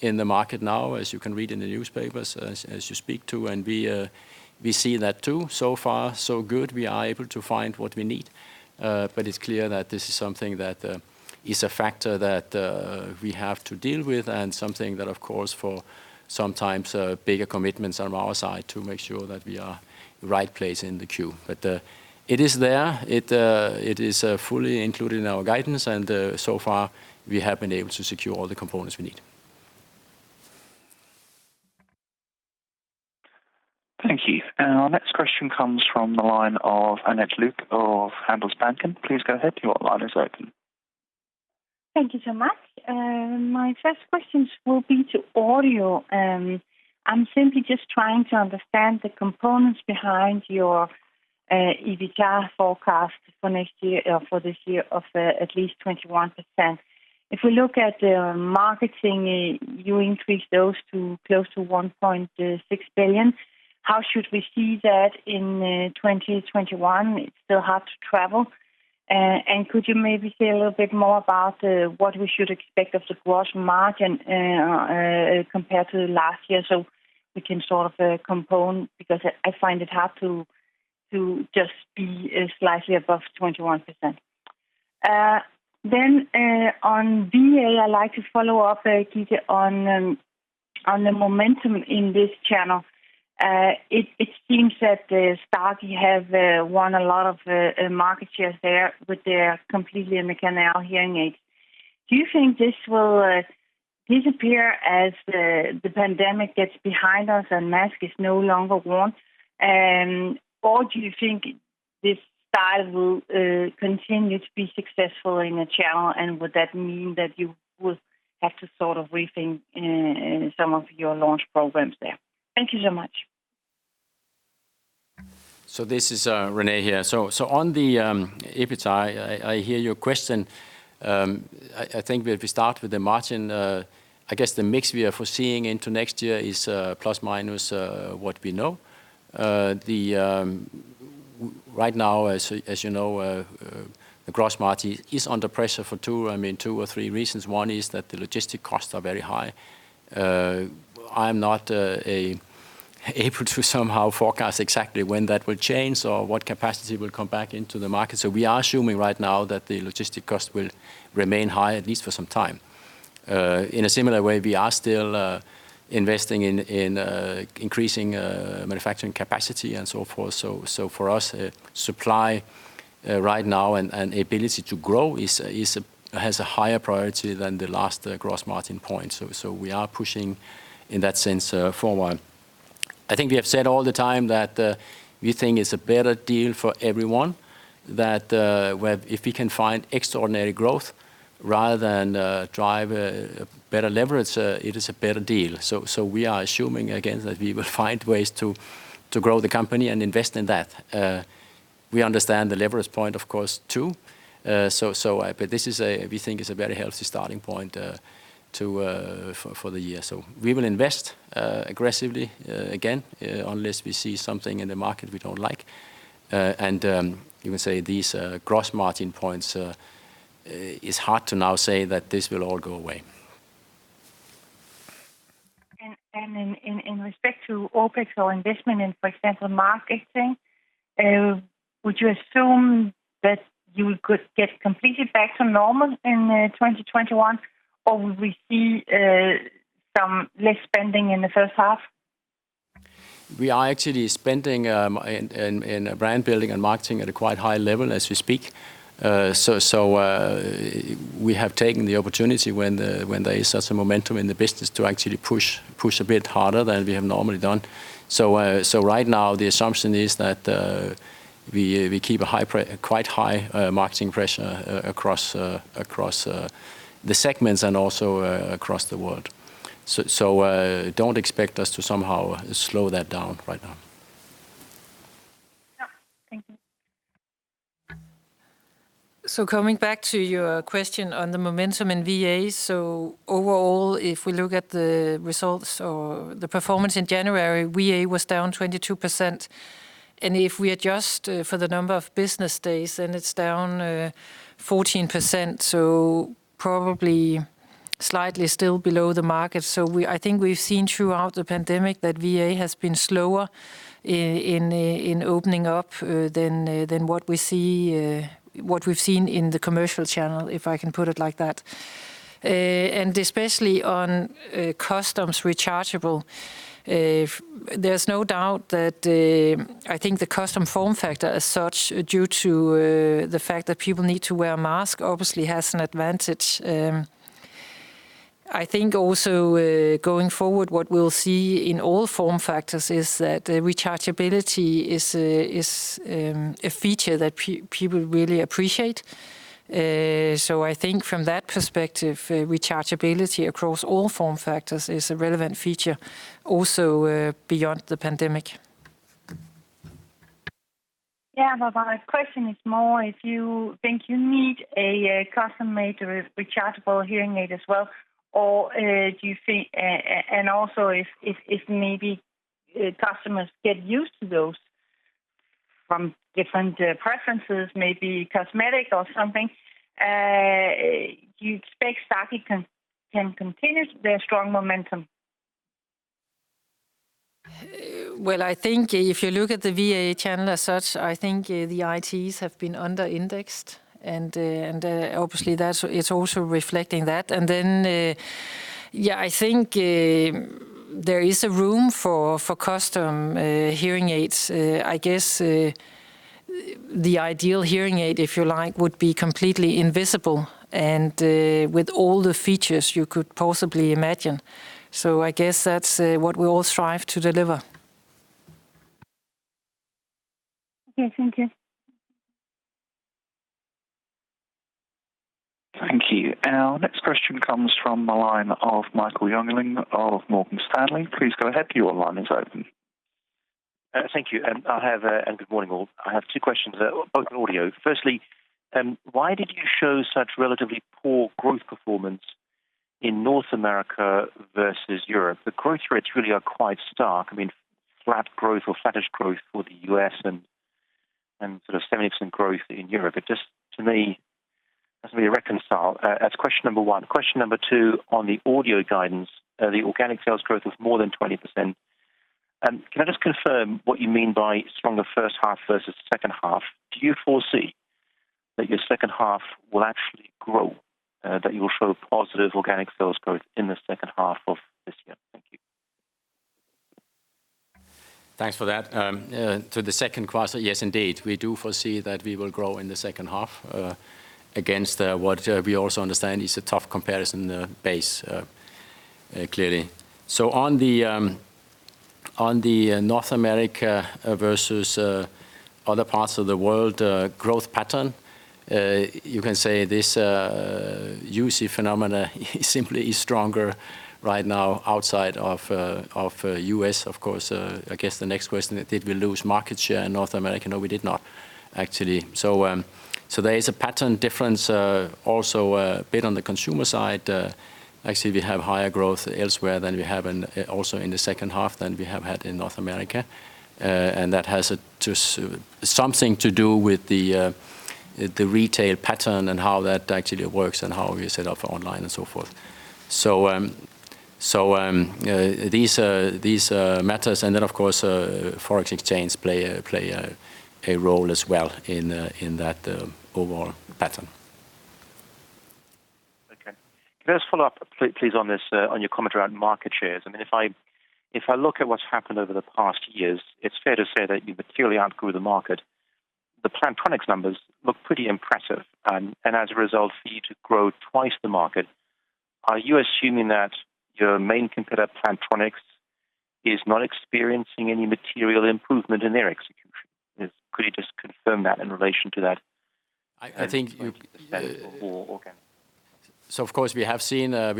in the market now, as you can read in the newspapers, as you speak to, and we see that too. So far so good. We are able to find what we need. It's clear that this is something that is a factor that we have to deal with and something that, of course, for sometimes bigger commitments on our side to make sure that we are right place in the queue. It is there. It is fully included in our guidance. So far, we have been able to secure all the components we need. Thank you. Our next question comes from the line of Annette Lykke of Handelsbanken. Please go ahead, your line is open. Thank you so much. My first questions will be to Audio. I am simply just trying to understand the components behind your EBITDA forecast for this year of at least 21%. If we look at the marketing, you increase those to close to 1.6 billion. How should we see that in 2021? It is still hard to travel. Could you maybe say a little bit more about what we should expect of the gross margin compared to last year, so we can sort of component, because I find it hard to just be slightly above 21%? On VA, I would like to follow up, Gitte, on the momentum in this channel. It seems that Starkey have won a lot of market shares there with their completely in the canal hearing aid. Do you think this will disappear as the pandemic gets behind us and mask is no longer worn? Do you think this style will continue to be successful in the channel? Would that mean that you would have to sort of rethink some of your launch programs there? Thank you so much. This is René here. On the EBITDA, I hear your question. I think if we start with the margin, I guess the mix we are foreseeing into next year is plus, minus what we know. Right now, as you know, the gross margin is under pressure for two or three reasons. One is that the logistic costs are very high. I'm not able to somehow forecast exactly when that will change or what capacity will come back into the market. We are assuming right now that the logistic cost will remain high, at least for some time. In a similar way, we are still investing in increasing manufacturing capacity and so forth. For us, supply right now and ability to grow has a higher priority than the last gross margin point. We are pushing, in that sense, forward. I think we have said all the time that we think it's a better deal for everyone. That if we can find extraordinary growth rather than drive a better leverage, it is a better deal. We are assuming again that we will find ways to grow the company and invest in that. We understand the leverage point, of course, too. This, we think, is a very healthy starting point for the year. We will invest aggressively again, unless we see something in the market we don't like. You can say these gross margin points, it's hard to now say that this will all go away. In respect to OpEx or investment in, for example, marketing, would you assume that you could get completely back to normal in 2021? Or would we see some less spending in the first half? We are actually spending in brand building and marketing at a quite high level as we speak. We have taken the opportunity when there is such a momentum in the business to actually push a bit harder than we have normally done. Right now the assumption is that we keep a quite high marketing pressure across the segments and also across the world. Don't expect us to somehow slow that down right now. Yeah. Thank you. Coming back to your question on the momentum in VA. Overall, if we look at the results or the performance in January, VA was down 22%. If we adjust for the number of business days, then it's down 14%, so probably slightly still below the market. I think we've seen throughout the pandemic that VA has been slower in opening up than what we've seen in the commercial channel, if I can put it like that. Especially on customs rechargeable, there's no doubt that I think the custom form factor as such, due to the fact that people need to wear a mask, obviously has an advantage. I think also going forward, what we'll see in all form factors is that rechargeability is a feature that people really appreciate. I think from that perspective, rechargeability across all form factors is a relevant feature also beyond the pandemic. Yeah. My question is more if you think you need a custom-made rechargeable hearing aid as well, also if maybe customers get used to those from different preferences, maybe cosmetic or something, do you expect that it can continue their strong momentum? Well, I think if you look at the VA channel as such, I think the ITEs have been under-indexed, and obviously it's also reflecting that. Yeah, I think there is a room for custom hearing aids. I guess the ideal hearing aid, if you like, would be completely invisible and with all the features you could possibly imagine. I guess that's what we all strive to deliver. Okay. Thank you. Thank you. Our next question comes from the line of Michael Jüngling of Morgan Stanley. Please go ahead. Your line is open. Thank you. Good morning, all. I have two questions, both on audio. Firstly, why did you show such relatively poor growth performance in North America versus Europe? The growth rates really are quite stark. I mean, flat growth or flattish growth for the U.S. and sort of 70% growth in Europe. It just, to me, doesn't really reconcile. That's question number 1. Question number 2, on the audio guidance, the organic sales growth was more than 20%. Can I just confirm what you mean by stronger first half versus second half? Do you foresee that your second half will actually grow, that you will show positive organic sales growth in the second half of this year? Thank you. Thanks for that. To the second question, yes, indeed, we do foresee that we will grow in the second half against what we also understand is a tough comparison base, clearly. On the North America versus other parts of the world growth pattern, you can say this UC phenomena simply is stronger right now outside of U.S. Of course, I guess the next question is did we lose market share in North America? No, we did not, actually. There is a pattern difference also a bit on the consumer side. Actually, we have higher growth elsewhere also in the second half than we have had in North America. That has something to do with the retail pattern and how that actually works and how we set up online and so forth. These matters, and then, of course, Forex exchange play a role as well in that overall pattern. Okay. Can I just follow up please on your comment around market shares? If I look at what's happened over the past years, it's fair to say that you've materially outgrown the market. The Plantronics numbers look pretty impressive. As a result, for you to grow twice the market, are you assuming that your main competitor, Plantronics, is not experiencing any material improvement in their execution? Could you just confirm that in relation to that? Of course, we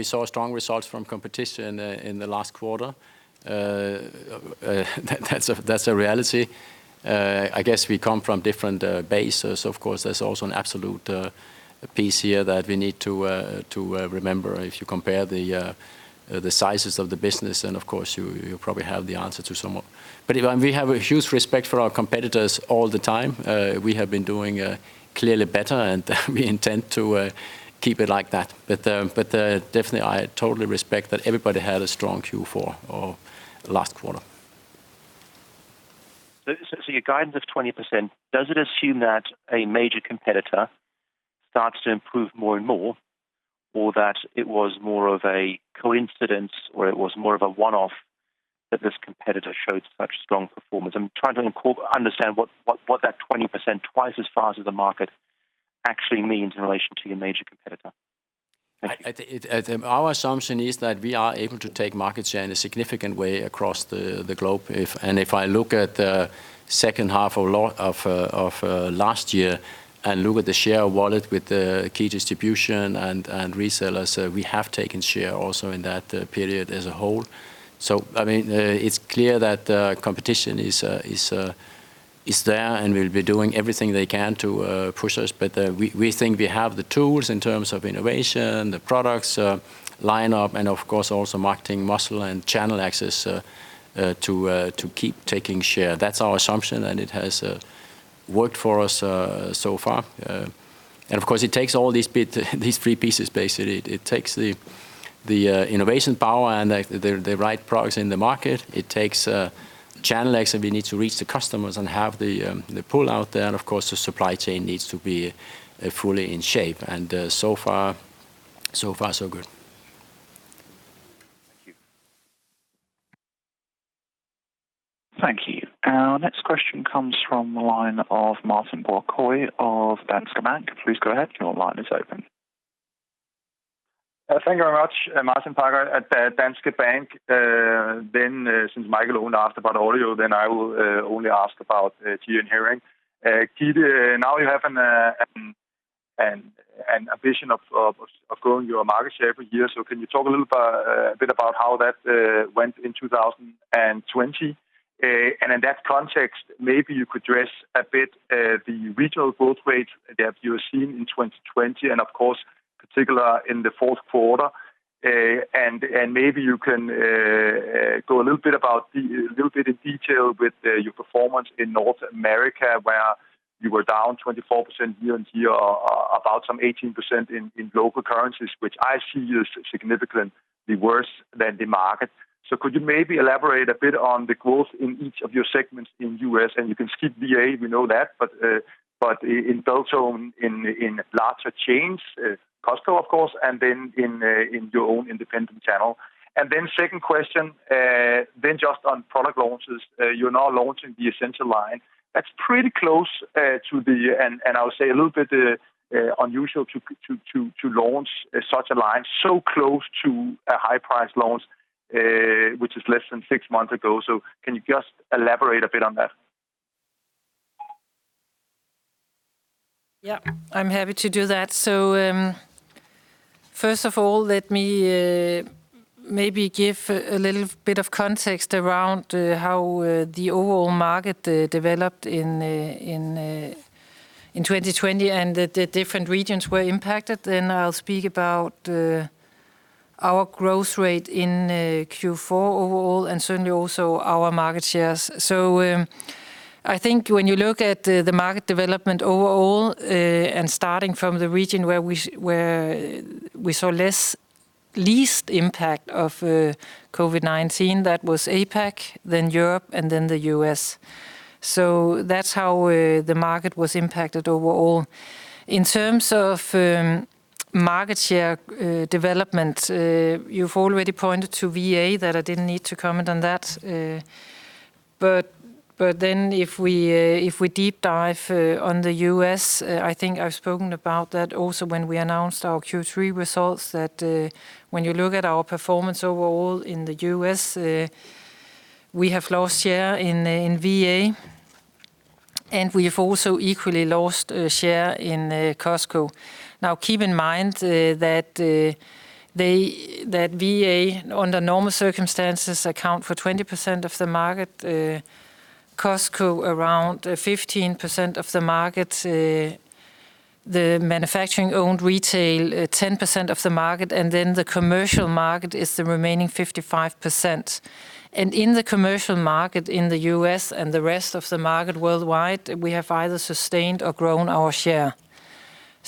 saw strong results from competition in the last quarter. That's a reality. I guess we come from different bases. Of course, there's also an absolute piece here that we need to remember. If you compare the sizes of the business, then, of course, you probably have the answer to some of it. We have a huge respect for our competitors all the time. We have been doing clearly better, and we intend to keep it like that. Definitely, I totally respect that everybody had a strong Q4 or last quarter. Your guidance of 20%, does it assume that a major competitor starts to improve more and more, or that it was more of a coincidence, or it was more of a one-off that this competitor showed such strong performance? I'm trying to understand what that 20%, twice as fast as the market, actually means in relation to your major competitor. Thank you. Our assumption is that we are able to take market share in a significant way across the globe. If I look at the second half of last year and look at the share wallet with the key distribution and resellers, we have taken share also in that period as a whole. It's clear that competition is there and will be doing everything they can to push us. We think we have the tools in terms of innovation, the products lineup, and of course also marketing muscle and channel access to keep taking share. That's our assumption, and it has worked for us so far. Of course, it takes all these three pieces, basically. The innovation power and the right products in the market. It takes a channel access. We need to reach the customers and have the pull out there, and of course, the supply chain needs to be fully in shape. So far, so good. Thank you. Thank you. Our next question comes from the line of Martin Parkhøi of Danske Bank. Please go ahead. Your line is open. Thank you very much. Martin Parkhøi at Danske Bank. Since Michael only asked about Audio, then I will only ask about Hearing. Gitte, now you have an ambition of growing your market share every year. Can you talk a little bit about how that went in 2020? In that context, maybe you could address a bit the regional growth rates that you have seen in 2020 and, of course, particular in the fourth quarter. Maybe you can go a little bit in detail with your performance in North America, where you were down 24% year-on-year, about some 18% in local currencies, which I see is significantly worse than the market. Could you maybe elaborate a bit on the growth in each of your segments in the U.S.? You can skip VA, we know that, but in total in larger chains, Costco of course, and then in your own independent channel. Second question, then just on product launches. You are now launching the essential line. That is pretty close to the, and I would say a little bit unusual to launch such a line so close to a high-price launch, which is less than six months ago. Can you just elaborate a bit on that? Yeah. I'm happy to do that. First of all, let me maybe give a little bit of context around how the overall market developed in 2020 and the different regions were impacted. I'll speak about our growth rate in Q4 overall, and certainly also our market shares. I think when you look at the market development overall, and starting from the region where we saw least impact of COVID-19, that was APAC, then Europe, and then the U.S. That's how the market was impacted overall. In terms of market share development, you've already pointed to VA that I didn't need to comment on that. If we deep dive on the U.S., I think I've spoken about that also when we announced our Q3 results, that when you look at our performance overall in the U.S., we have lost share in VA, and we have also equally lost share in Costco. Keep in mind that VA, under normal circumstances, account for 20% of the market, Costco around 15% of the market, the manufacturing-owned retail 10% of the market, and then the commercial market is the remaining 55%. In the commercial market in the U.S. and the rest of the market worldwide, we have either sustained or grown our share.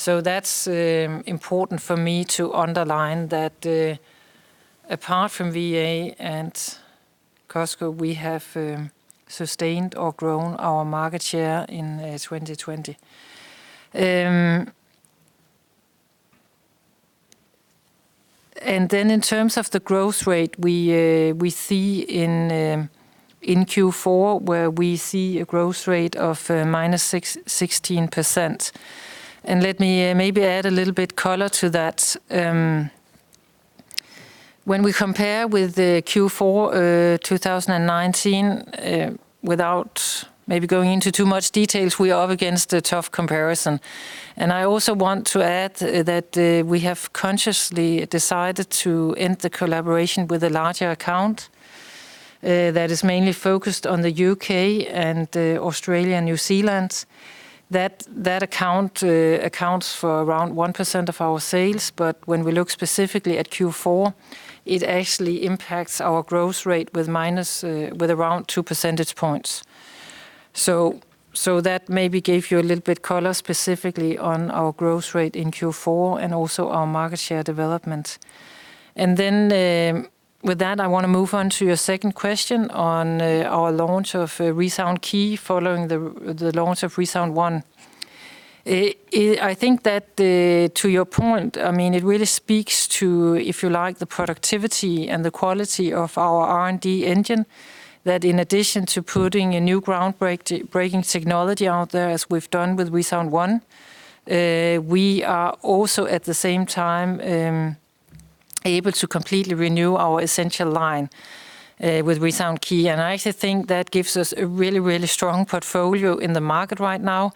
That's important for me to underline that, apart from VA and Costco, we have sustained or grown our market share in 2020. In terms of the growth rate, we see in Q4 where we see a growth rate of -16%. Let me maybe add a little bit color to that. When we compare with the Q4 2019, without maybe going into too much details, we are up against a tough comparison. I also want to add that we have consciously decided to end the collaboration with a larger account that is mainly focused on the U.K. and Australia and New Zealand. That account accounts for around 1% of our sales. When we look specifically at Q4, it actually impacts our growth rate with around 2 percentage points. That maybe gave you a little bit color specifically on our growth rate in Q4 and also our market share development. With that, I want to move on to your second question on our launch of ReSound Key following the launch of ReSound ONE. I think that to your point, it really speaks to, if you like, the productivity and the quality of our R&D engine, that in addition to putting a new groundbreaking technology out there as we've done with ReSound ONE, we are also at the same time able to completely renew our essential line with ReSound Key. I actually think that gives us a really strong portfolio in the market right now,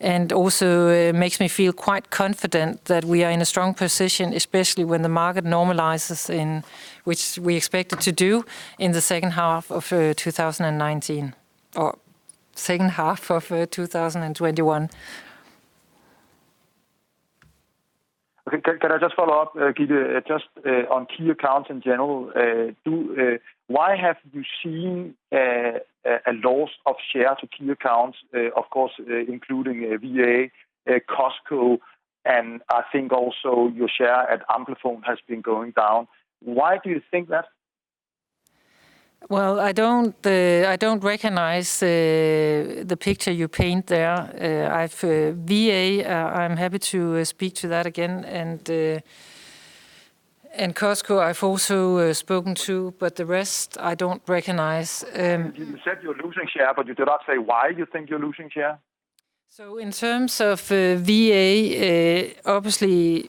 and also makes me feel quite confident that we are in a strong position, especially when the market normalizes, which we expect it to do in the second half of 2019, or second half of 2021. Can I just follow up, Gitte? Just on key accounts in general, why have you seen a loss of share to key accounts, of course, including VA, Costco, and I think also your share at Amplifon has been going down. Why do you think that? Well, I don't recognize the picture you paint there. VA, I'm happy to speak to that again, and Costco I've also spoken to, but the rest I don't recognize. You said you're losing share, but you do not say why you think you're losing share. In terms of VA, obviously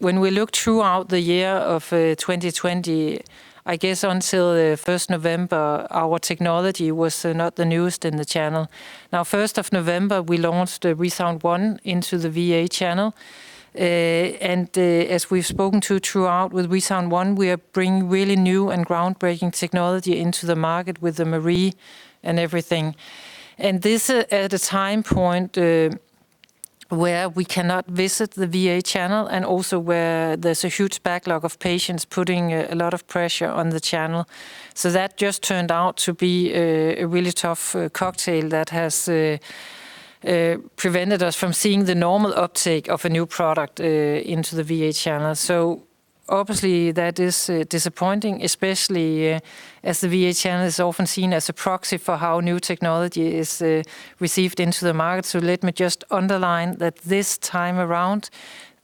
when we look throughout the year of 2020, I guess until the 1st of November, our technology was not the newest in the channel. 1st of November, we launched ReSound ONE into the VA channel, and as we've spoken to throughout with ReSound ONE, we are bringing really new and groundbreaking technology into the market with the M&RIE and everything. This at a time point where we cannot visit the VA channel, and also where there's a huge backlog of patients putting a lot of pressure on the channel. That just turned out to be a really tough cocktail that has prevented us from seeing the normal uptake of a new product into the VA channel. Obviously that is disappointing, especially as the VA channel is often seen as a proxy for how new technology is received into the market. Let me just underline that this time around,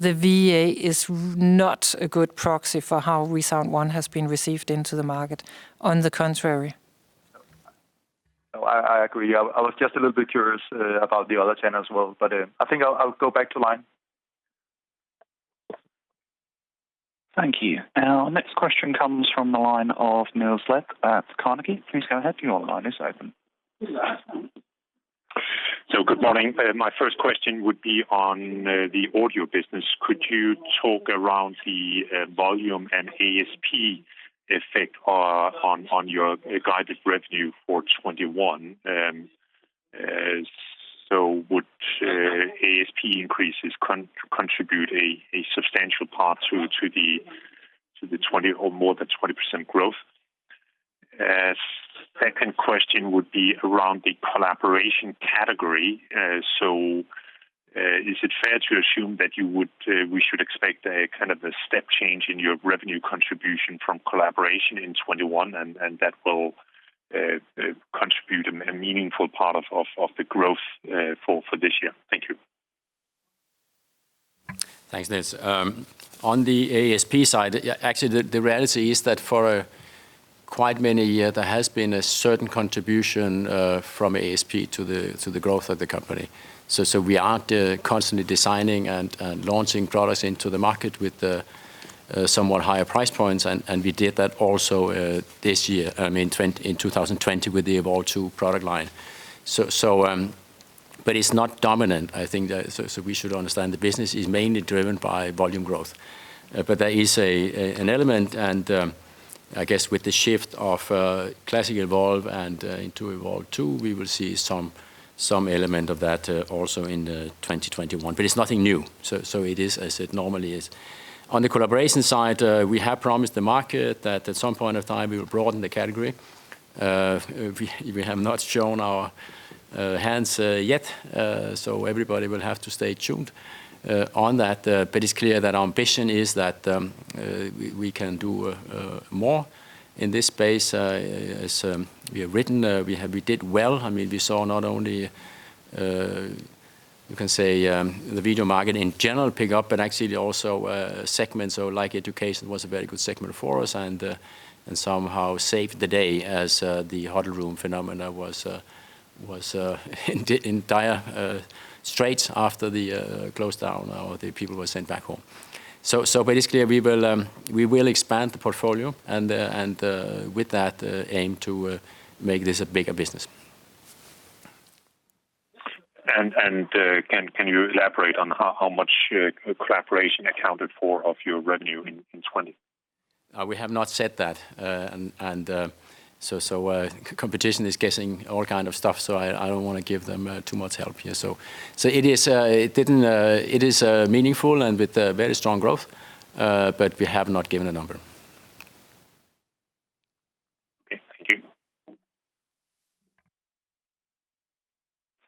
the VA is not a good proxy for how ReSound ONE has been received into the market. On the contrary. No, I agree. I was just a little bit curious about the other channels as well, but I think I'll go back to line. Thank you. Our next question comes from the line of Niels Leth at Carnegie. Please go ahead. Your line is open. Good morning. My first question would be on the audio business. Could you talk around the volume and ASP effect on your guided revenue for 2021? Would ASP increases contribute a substantial part to the more than 20% growth? Second question would be around the collaboration category. Is it fair to assume that we should expect a step change in your revenue contribution from collaboration in 2021, and that will contribute a meaningful part of the growth for this year? Thank you. Thanks, Niels. On the ASP side, actually, the reality is that for quite many years, there has been a certain contribution from ASP to the growth of the company. We are constantly designing and launching products into the market with somewhat higher price points, and we did that also this year, in 2020 with the Evolve2 product line. It's not dominant, I think. We should understand the business is mainly driven by volume growth. That is an element, and I guess with the shift of classic Evolve and into Evolve2, we will see some element of that also in 2021. It's nothing new. It is as it normally is. On the collaboration side, we have promised the market that at some point of time, we will broaden the category. We have not shown our hands yet, so everybody will have to stay tuned on that. It's clear that our ambition is that we can do more in this space. As we have written, we did well. We saw not only, you can say, the video market in general pick up, but actually also segments like education was a very good segment for us, and somehow saved the day as the huddle room phenomena was in dire straits after the close down, or the people were sent back home. It's clear we will expand the portfolio, and with that, aim to make this a bigger business. Can you elaborate on how much collaboration accounted for of your revenue in 2020? We have not said that. Competition is guessing all kind of stuff, so I don't want to give them too much help here. It is meaningful and with very strong growth, but we have not given a number.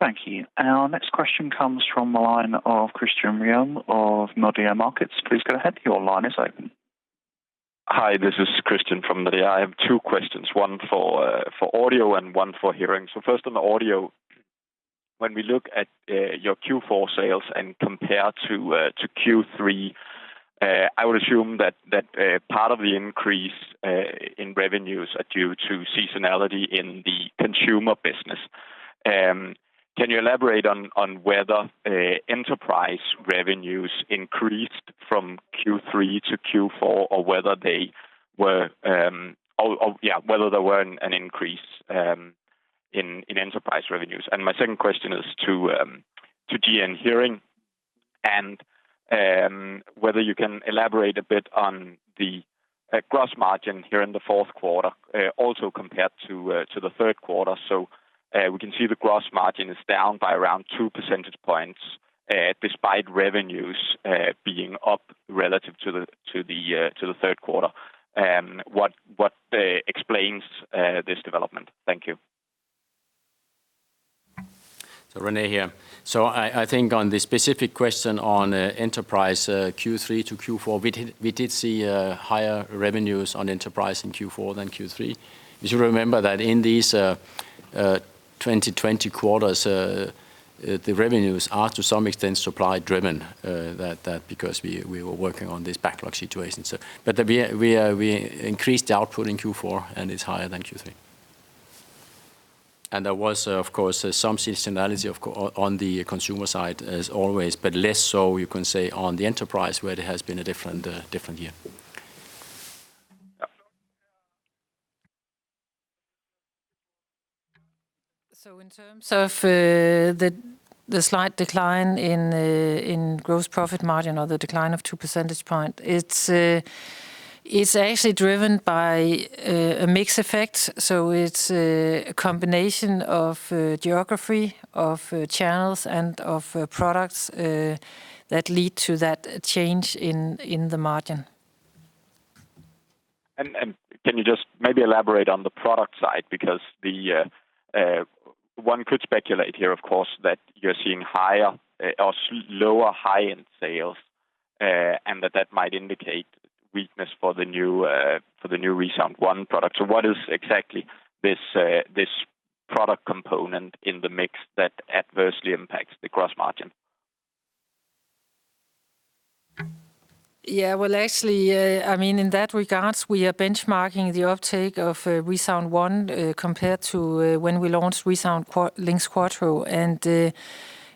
Okay, thank you. Thank you. Our next question comes from the line of Christian Ryom of Nordea Markets. Please go ahead. Your line is open. Hi, this is Christian from Nordea. I have two questions, one for audio and one for hearing. First on the audio. When we look at your Q4 sales and compare to Q3, I would assume that part of the increase in revenues are due to seasonality in the consumer business. Can you elaborate on whether enterprise revenues increased from Q3 to Q4, or whether there were an increase in enterprise revenues? My second question is to GN Hearing, and whether you can elaborate a bit on the gross margin here in the fourth quarter, also compared to the third quarter. We can see the gross margin is down by around 2 percentage points despite revenues being up relative to the third quarter. What explains this development? Thank you. René here. I think on the specific question on enterprise Q3 to Q4, we did see higher revenues on enterprise in Q4 than Q3. You should remember that in these 2020 quarters, the revenues are to some extent supply driven, because we were working on this backlog situation. We increased the output in Q4, and it's higher than Q3. There was, of course, some seasonality on the consumer side as always, but less so you can say on the enterprise, where it has been a different year. Yeah. In terms of the slight decline in gross profit margin or the decline of 2 percentage points, it's actually driven by a mix effect. It's a combination of geography, of channels, and of products that lead to that change in the margin. Can you just maybe elaborate on the product side, because one could speculate here, of course, that you are seeing lower high-end sales, and that that might indicate weakness for the new ReSound ONE product. What is exactly this product component in the mix that adversely impacts the gross margin? Yeah, well, actually, in that regards, we are benchmarking the uptake of ReSound ONE, compared to when we launched ReSound LiNX Quattro.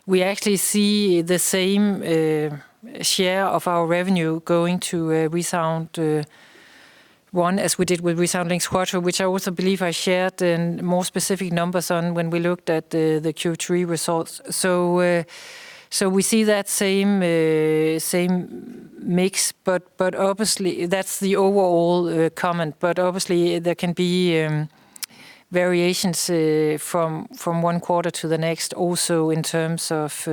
We actually see the same share of our revenue going to ReSound ONE as we did with ReSound LiNX Quattro, which I also believe I shared the more specific numbers on when we looked at the Q3 results. We see that same mix, that's the overall comment, but obviously there can be variations from one quarter to the next also in terms of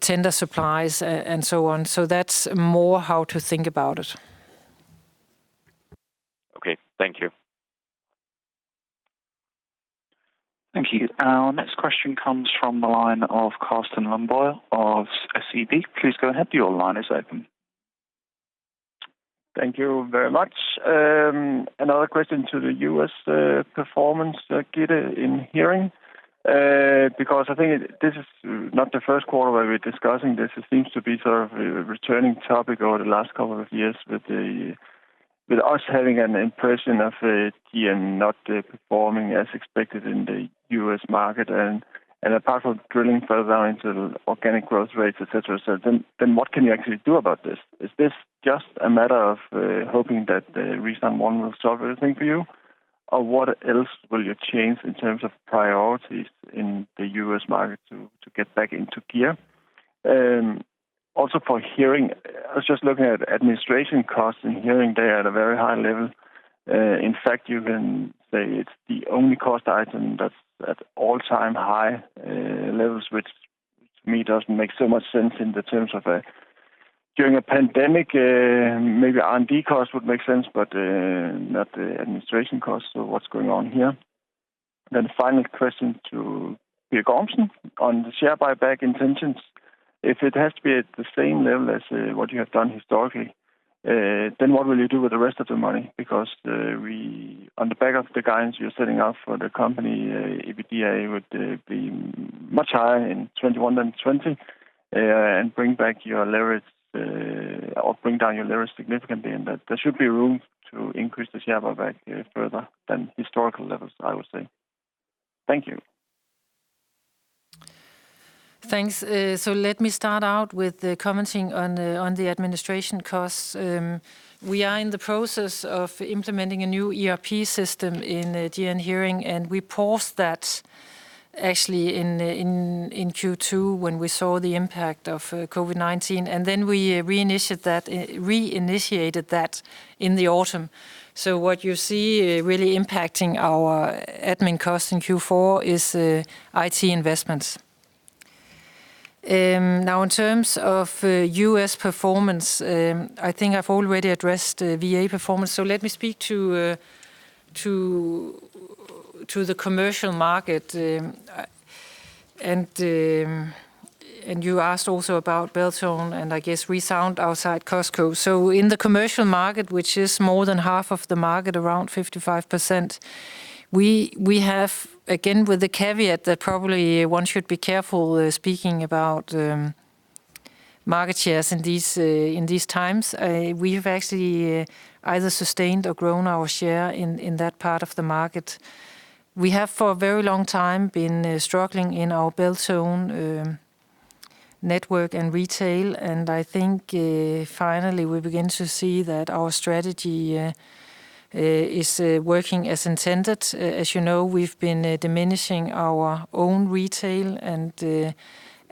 tender supplies and so on. That's more how to think about it. Okay. Thank you. Thank you. Our next question comes from the line of Carsten Lønborg of SEB. Please go ahead. Your line is open. Thank you very much. Another question to the U.S. performance Gitte in Hearing, because I think this is not the first quarter where we're discussing this. It seems to be sort of a returning topic over the last couple of years with us having an impression of GN not performing as expected in the U.S. market, and apart from drilling further down into organic growth rates, et cetera, et cetera, then what can you actually do about this? Is this just a matter of hoping that the ReSound ONE will solve everything for you? What else will you change in terms of priorities in the U.S. market to get back into gear? Also for Hearing, I was just looking at administration costs in Hearing. They are at a very high level. In fact, you can say it's the only cost item that's at all-time high levels, which to me doesn't make so much sense in the terms of during a pandemic, maybe R&D costs would make sense, but not the administration costs. What's going on here? The final question to Gitte on the share buyback intentions. If it has to be at the same level as what you have done historically, then what will you do with the rest of the money? On the back of the guidance you're setting out for the company, EBITDA would be much higher in 2021 than 2020, and bring down your leverage significantly, and there should be room to increase the share buyback further than historical levels, I would say. Thank you. Thanks. Let me start out with commenting on the administration costs. We are in the process of implementing a new ERP system in GN Hearing, and we paused that actually in Q2 when we saw the impact of COVID-19, and then we re-initiated that in the autumn. What you see really impacting our admin costs in Q4 is IT investments. In terms of U.S. performance, I think I've already addressed VA performance, let me speak to the commercial market. You asked also about Beltone and I guess ReSound outside Costco. In the commercial market, which is more than half of the market, around 55%, we have, again, with the caveat that probably one should be careful speaking about market shares in these times, we have actually either sustained or grown our share in that part of the market. We have for a very long time been struggling in our Beltone network and retail. I think finally we begin to see that our strategy is working as intended. As you know, we've been diminishing our own retail and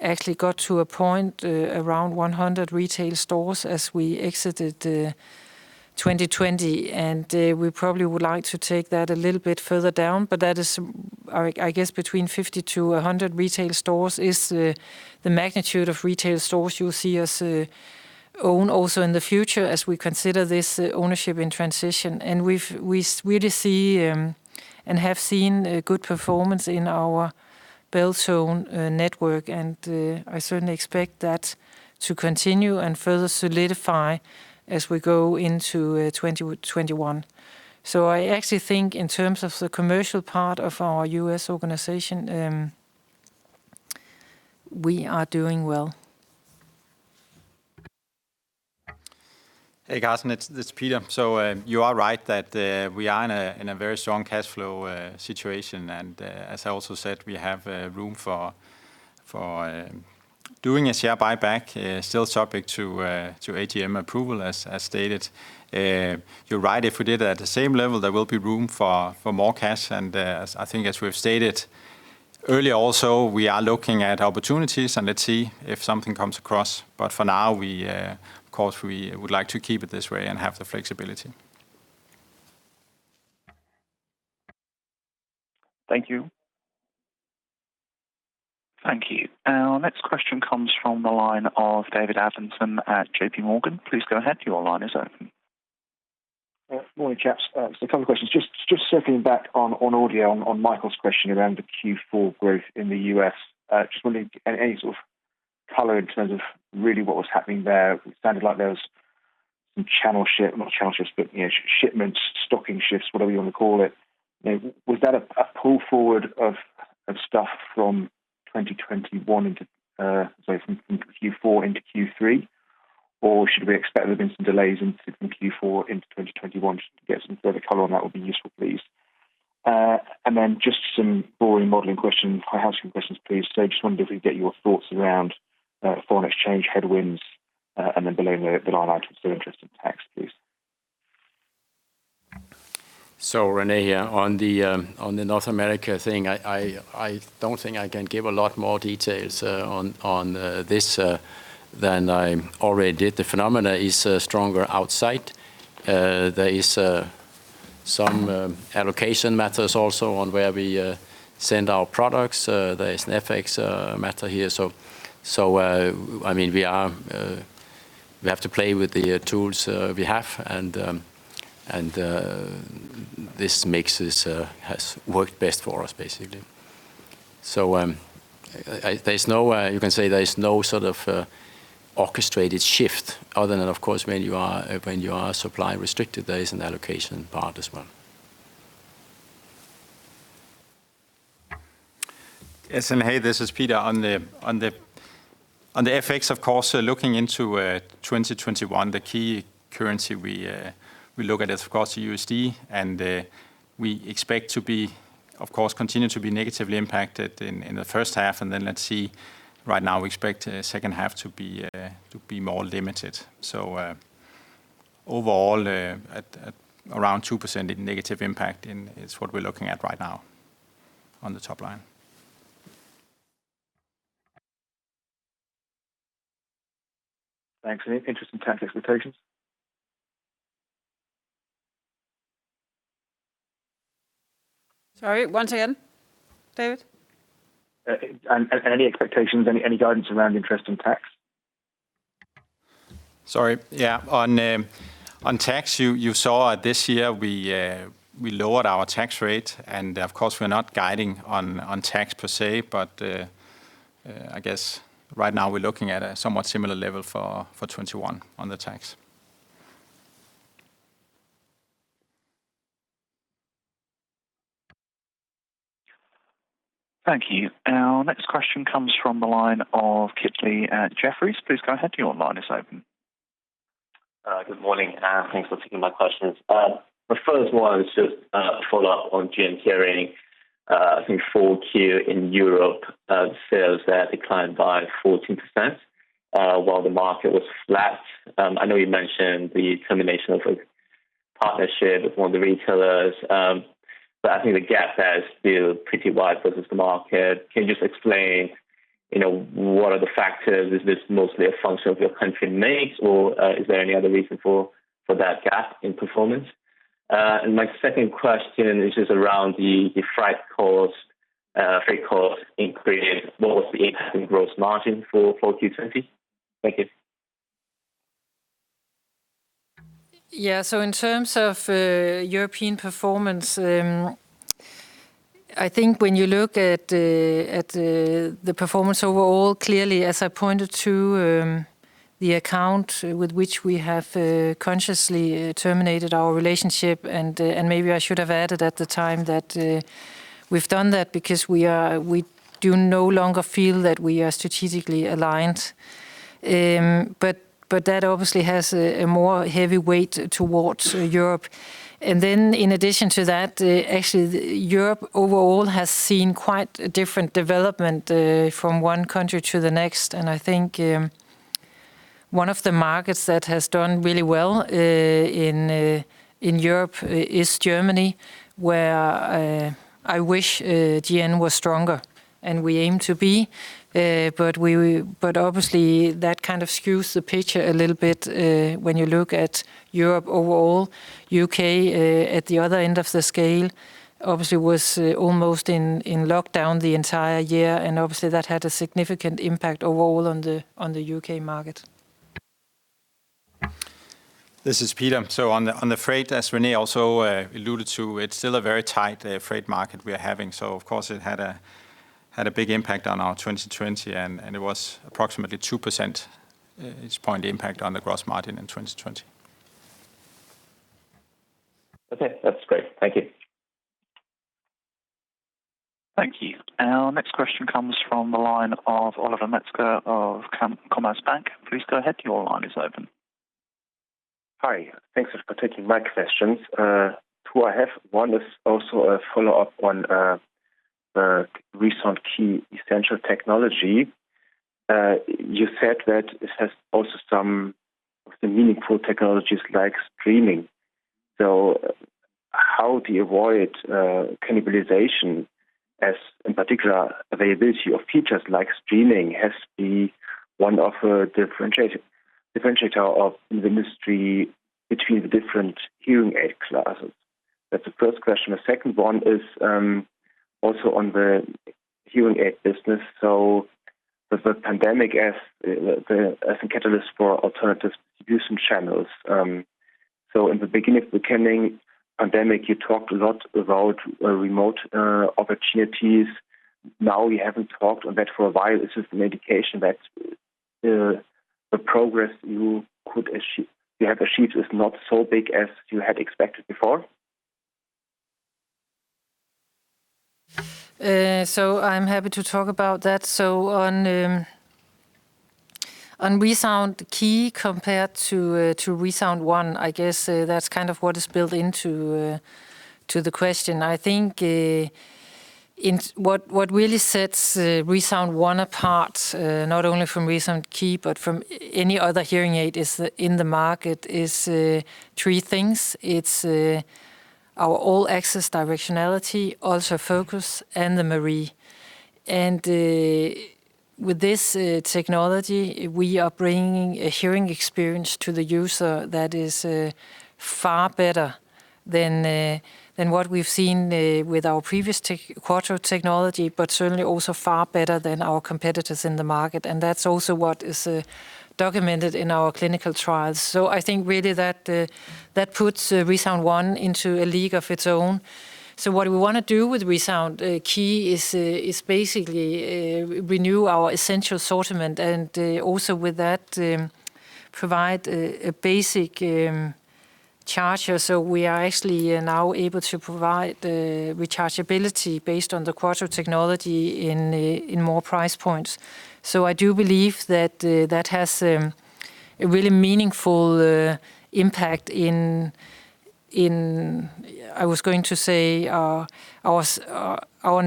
actually got to a point around 100 retail stores as we exited 2020. We probably would like to take that a little bit further down. That is, I guess between 50-100 retail stores is the magnitude of retail stores you'll see us own also in the future as we consider this ownership in transition. We really see and have seen a good performance in our Beltone network, and I certainly expect that to continue and further solidify as we go into 2021. I actually think in terms of the commercial part of our U.S. organization, we are doing well. Hey, Carsten. It's Peter. You are right that we are in a very strong cash flow situation and as I also said, we have room for doing a share buyback, still subject to AGM approval as stated. You're right. If we did it at the same level, there will be room for more cash. I think as we've stated earlier also, we are looking at opportunities, and let's see if something comes across. For now, of course, we would like to keep it this way and have the flexibility. Thank you. Thank you. Our next question comes from the line of David Adlington at JPMorgan. Please go ahead. Your line is open. Morning, chaps. Two questions. Just circling back on audio, on Michael's question around the Q4 growth in the U.S. Just wondering any sort of color in terms of really what was happening there. It sounded like there was some channel shift, not channel shifts, but shipments, stocking shifts, whatever you want to call it. Was that a pull forward of stuff from 2021 into, sorry, from Q4 into Q3, or should we expect there have been some delays into Q4 into 2021? Just to get some further color on that would be useful, please. Just some boring modeling questions. I have some questions, please. Just wondered if we could get your thoughts around foreign exchange headwinds, and then below the line items of interest and tax, please. René, on the North America thing, I don't think I can give a lot more details on this than I already did. The phenomena is stronger outside. There is some allocation matters also on where we send our products. There is an FX matter here. We have to play with the tools we have, and this has worked best for us, basically. You can say there is no sort of orchestrated shift other than, of course, when you are supply restricted, there is an allocation part as well. Yes, hey, this is Peter. On the FX, of course, looking into 2021, the key currency we look at is, of course, USD. We expect to be, of course, continue to be negatively impacted in the first half. Then let's see, right now we expect second half to be more limited. Overall at around 2% in negative impact is what we're looking at right now on the top line. Thanks. Interest and tax expectations? Sorry, once again, David? Any expectations, any guidance around interest and tax? Sorry. Yeah. On tax, you saw this year we lowered our tax rate, and of course, we're not guiding on tax per se, but I guess right now we're looking at a somewhat similar level for 2021 on the tax. Thank you. Our next question comes from the line of Kit Lee at Jefferies. Please go ahead. Your line is open. Good morning. Thanks for taking my questions. My first one is just a follow-up on GN Hearing. I think Q4 in Europe, sales there declined by 14%, while the market was flat. I know you mentioned the termination of a partnership with one of the retailers. I think the gap there is still pretty wide versus the market. Can you just explain what are the factors? Is this mostly a function of your country mix or is there any other reason for that gap in performance? My second question is just around the freight cost increase, what was the impact in gross margin for Q2? Thank you. In terms of European performance, I think when you look at the performance overall, clearly, as I pointed to the account with which we have consciously terminated our relationship, and maybe I should have added at the time that we've done that because we do no longer feel that we are strategically aligned. That obviously has a more heavy weight towards Europe. In addition to that, actually Europe overall has seen quite a different development from one country to the next. I think one of the markets that has done really well in Europe is Germany, where I wish GN was stronger, and we aim to be. Obviously, that kind of skews the picture a little bit when you look at Europe overall. U.K., at the other end of the scale, obviously was almost in lockdown the entire year, and obviously, that had a significant impact overall on the U.K. market. This is Peter. On the freight, as René also alluded to, it's still a very tight freight market we are having. Of course, it had a big impact on our 2020, and it was approximately a 2 percentage points impact on the gross margin in 2020. Okay. That's great. Thank you. Thank you. Our next question comes from the line of Oliver Metzger of Commerzbank. Please go ahead. Your line is open. Hi. Thanks for taking my questions. Two I have. One is also a follow-up on ReSound Key essential technology. You said that it has also some of the meaningful technologies like streaming. How do you avoid cannibalization, as in particular, availability of features like streaming has to be one differentiator of the mix between the different hearing aid classes? That's the first question. The second one is also on the hearing aid business. Does the pandemic as a catalyst for alternative distribution channels? In the beginning of the pandemic, you talked a lot about remote opportunities. Now you haven't talked on that for a while. Is this an indication that the progress you have achieved is not so big as you had expected before? I'm happy to talk about that. On ReSound Key compared to ReSound ONE, I guess that's kind of what is built into the question. I think what really sets ReSound ONE apart, not only from ReSound Key, but from any other hearing aid in the market is three things. It's our All Access Directionality, Ultra Focus, and the M&RIE. With this technology, we are bringing a hearing experience to the user that is far better than what we've seen with our previous Quattro technology, but certainly also far better than our competitors in the market. That's also what is documented in our clinical trials. I think really that puts ReSound ONE into a league of its own. What we want to do with ReSound Key is basically renew our essential assortment and also with that, provide a basic charger. We are actually now able to provide rechargeability based on the Quattro technology in more price points. I do believe that has a really meaningful impact in, I was going to say, not our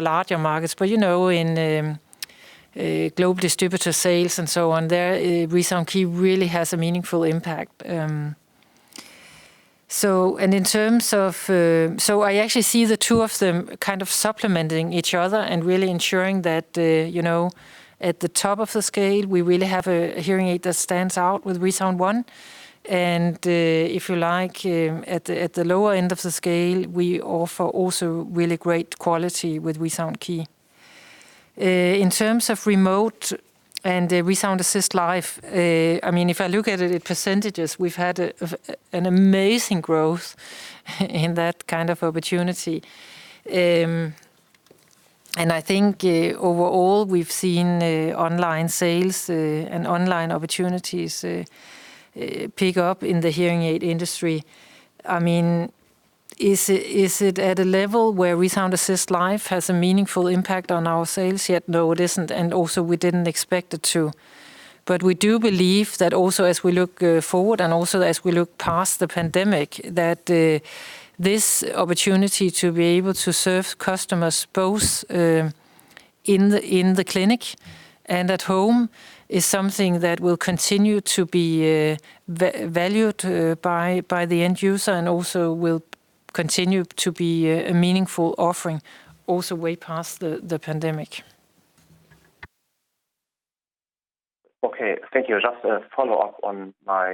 larger markets, but in global distributor sales and so on. There, ReSound Key really has a meaningful impact. I actually see the two of them kind of supplementing each other and really ensuring that at the top of the scale, we really have a hearing aid that stands out with ReSound ONE. If you like, at the lower end of the scale, we offer also really great quality with ReSound Key. In terms of remote and ReSound Assist Live, if I look at it in percentages, we've had an amazing growth in that kind of opportunity. I think overall, we've seen online sales and online opportunities pick up in the hearing aid industry. Is it at a level where ReSound Assist Live has a meaningful impact on our sales yet? No, it isn't, and also we didn't expect it to. We do believe that also as we look forward and also as we look past the pandemic, that this opportunity to be able to serve customers both in the clinic and at home is something that will continue to be valued by the end user, and also will continue to be a meaningful offering also way past the pandemic. Okay. Thank you. Just a follow-up on my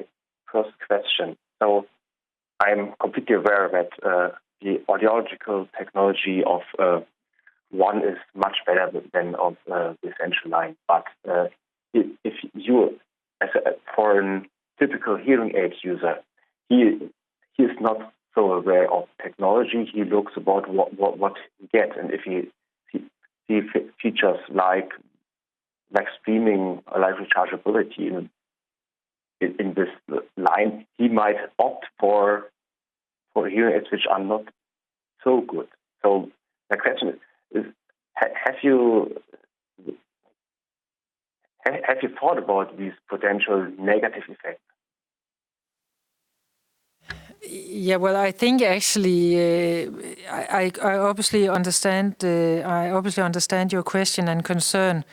first question. I'm completely aware that the audiological technology of ReSound ONE is much better than of the essential line. If you, as a foreign typical hearing aid user, he's not so aware of technology. He looks about what he gets, if he sees features like streaming, like rechargeability in this line, he might opt for hearing aids which are not so good. My question is, have you thought about these potential negative effects? Yeah. I obviously understand your question and concern,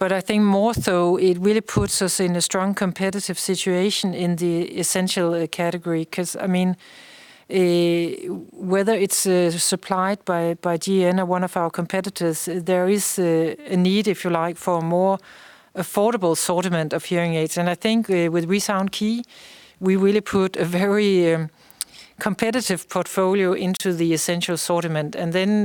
I think more so it really puts us in a strong competitive situation in the essential category because whether it's supplied by GN or one of our competitors, there is a need, if you like, for a more affordable assortment of hearing aids. I think with ReSound Key, we really put a very competitive portfolio into the essential assortment. Then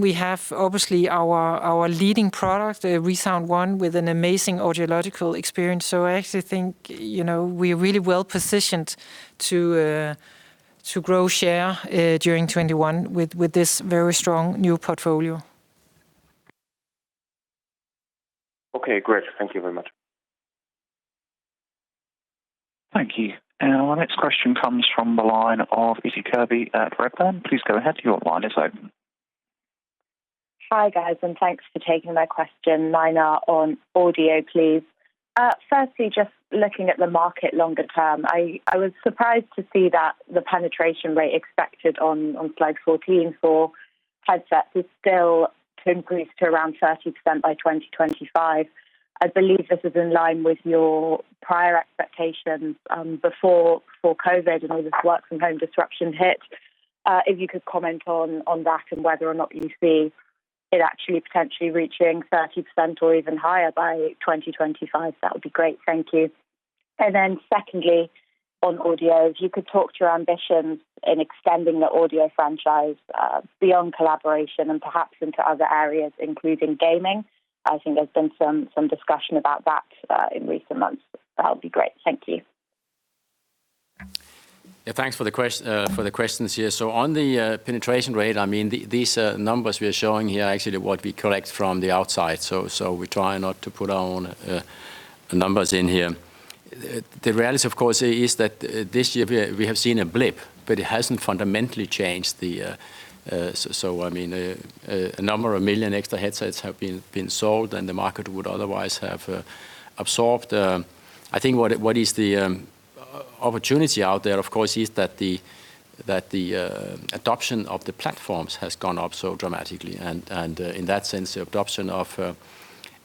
we have, obviously, our leading product, ReSound ONE, with an amazing audiological experience. I actually think we're really well-positioned to grow share during 2021 with this very strong new portfolio. Okay, great. Thank you very much. Thank you. Our next question comes from the line of Issie Kirby at Redburn. Please go ahead. Your line is open. Hi, guys. Thanks for taking my question. René on Audio, please. Firstly, just looking at the market longer term, I was surprised to see that the penetration rate expected on slide 14 for headsets is still to increase to around 30% by 2025. I believe this is in line with your prior expectations before COVID-19 and all this work from home disruption hit. If you could comment on that and whether or not you see it actually potentially reaching 30% or even higher by 2025, that would be great. Thank you. Secondly, on Audio, if you could talk to your ambitions in extending the Audio franchise beyond collaboration and perhaps into other areas, including gaming. I think there's been some discussion about that in recent months. That would be great. Thank you. Yeah, thanks for the questions here. On the penetration rate, these numbers we are showing here are actually what we collect from the outside. We try not to put our own numbers in here. The reality, of course, is that this year we have seen a blip, but it hasn't fundamentally changed. A number of million extra headsets have been sold than the market would otherwise have absorbed. I think what is the opportunity out there, of course, is that the adoption of the platforms has gone up so dramatically. In that sense, the adoption of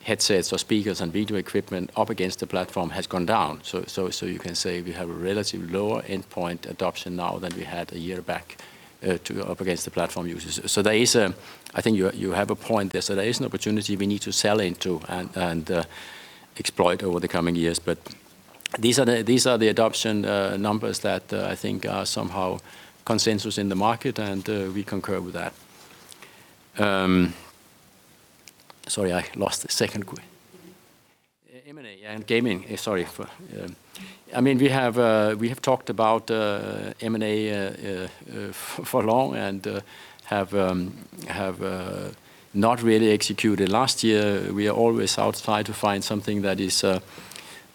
headsets or speakers and video equipment up against the platform has gone down. You can say we have a relatively lower endpoint adoption now than we had one year back up against the platform users. I think you have a point there. There is an opportunity we need to sell into and exploit over the coming years. These are the adoption numbers that I think are somehow consensus in the market, and we concur with that. Sorry, I lost the second question. M&A and gaming. Sorry. We have talked about M&A for long and have not really executed last year. We are always outside to find something that is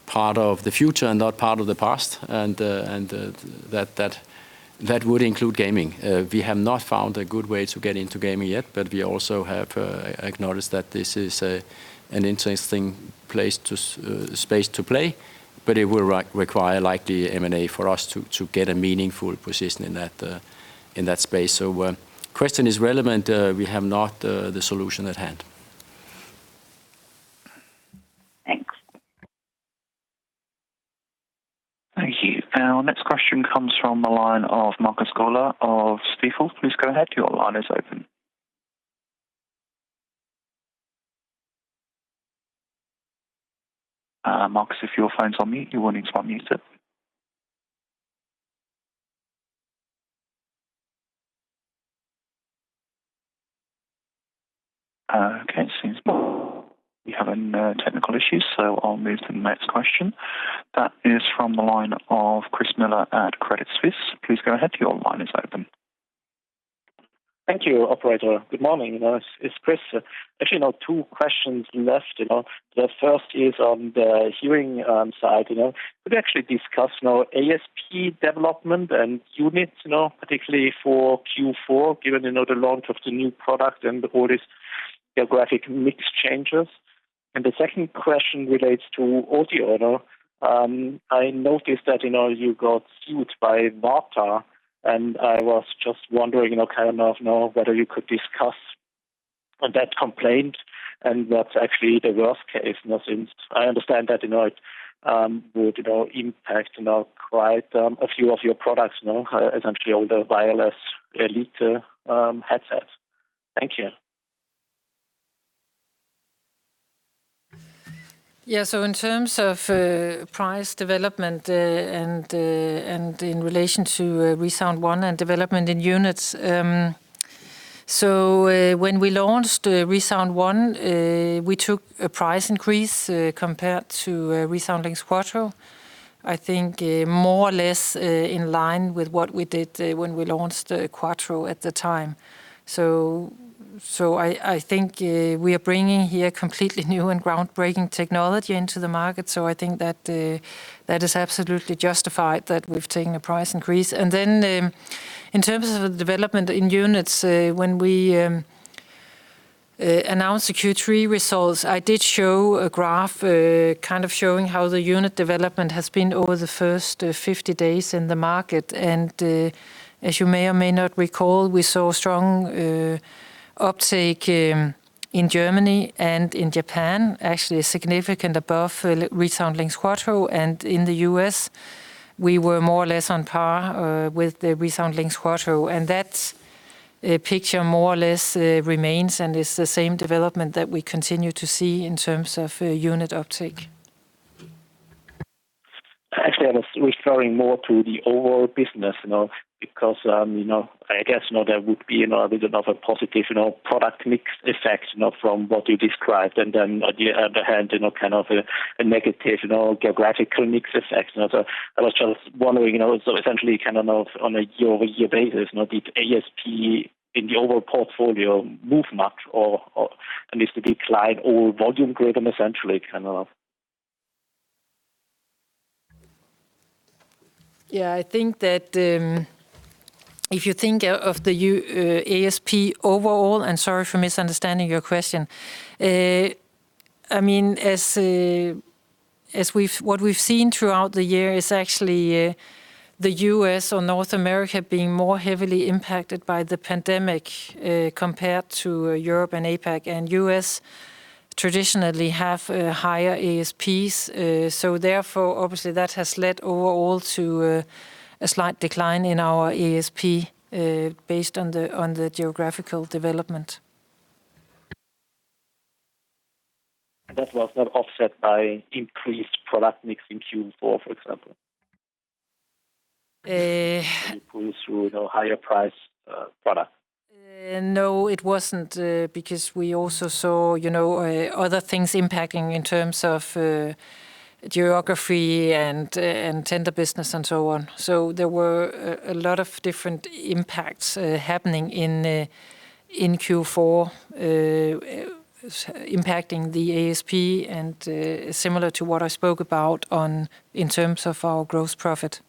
part of the future and not part of the past, and that would include gaming. We have not found a good way to get into gaming yet, but we also have acknowledged that this is an interesting space to play, but it will require likely M&A for us to get a meaningful position in that space. Question is relevant. We have not the solution at hand. Thanks. Thank you. Our next question comes from the line of Markus Gola of Stifel. Please go ahead. Your line is open. Markus, if your phone's on mute, you will need to unmute it. Okay, it seems we're having technical issues, so I'll move to the next question. That is from the line of Chris Miller at Credit Suisse. Please go ahead. Your line is open. Thank you, operator. Good morning. It's Chris. Actually now two questions left. The first is on the hearing side. Could you actually discuss now ASP development and units now particularly for Q4, given the launch of the new product and all these geographic mix changes? The second question relates to GN Audio. I noticed that you got sued by VARTA, and I was just wondering, kind of now whether you could discuss that complaint and what's actually the worst case now since I understand that it would impact now quite a few of your products now, essentially all the wireless Elite headsets. Thank you. Yeah. In terms of price development and in relation to ReSound ONE and development in units, when we launched ReSound ONE, we took a price increase compared to ReSound LiNX Quattro, I think more or less in line with what we did when we launched Quattro at the time. I think we are bringing here completely new and groundbreaking technology into the market. I think that is absolutely justified that we've taken a price increase. Then in terms of the development in units, when we announced the Q3 results, I did show a graph, showing how the unit development has been over the first 50 days in the market. As you may or may not recall, we saw strong uptake in Germany and in Japan, actually significant above ReSound LiNX Quattro. In the U.S., we were more or less on par with the ReSound LiNX Quattro. That picture more or less remains, and it's the same development that we continue to see in terms of unit uptake. Actually, I was referring more to the overall business, because I guess now there would be a bit of a positive product mix effect now from what you described, and then on the other hand, a negative geographical mix effect. I was just wondering, so essentially on a year-over-year basis, did ASP in the overall portfolio move much, or at least a decline or volume growth essentially? Yeah, if you think of the ASP overall, and sorry for misunderstanding your question, what we've seen throughout the year is actually the U.S. or North America being more heavily impacted by the pandemic, compared to Europe and APAC, and the U.S. traditionally have higher ASPs. Therefore, obviously that has led overall to a slight decline in our ASP, based on the geographical development. That was not offset by increased product mix in Q4, for example? Uh- Through higher price product. It wasn't, because we also saw other things impacting in terms of geography and tender business and so on. There were a lot of different impacts happening in Q4 impacting the ASP, and similar to what I spoke about in terms of our gross profit.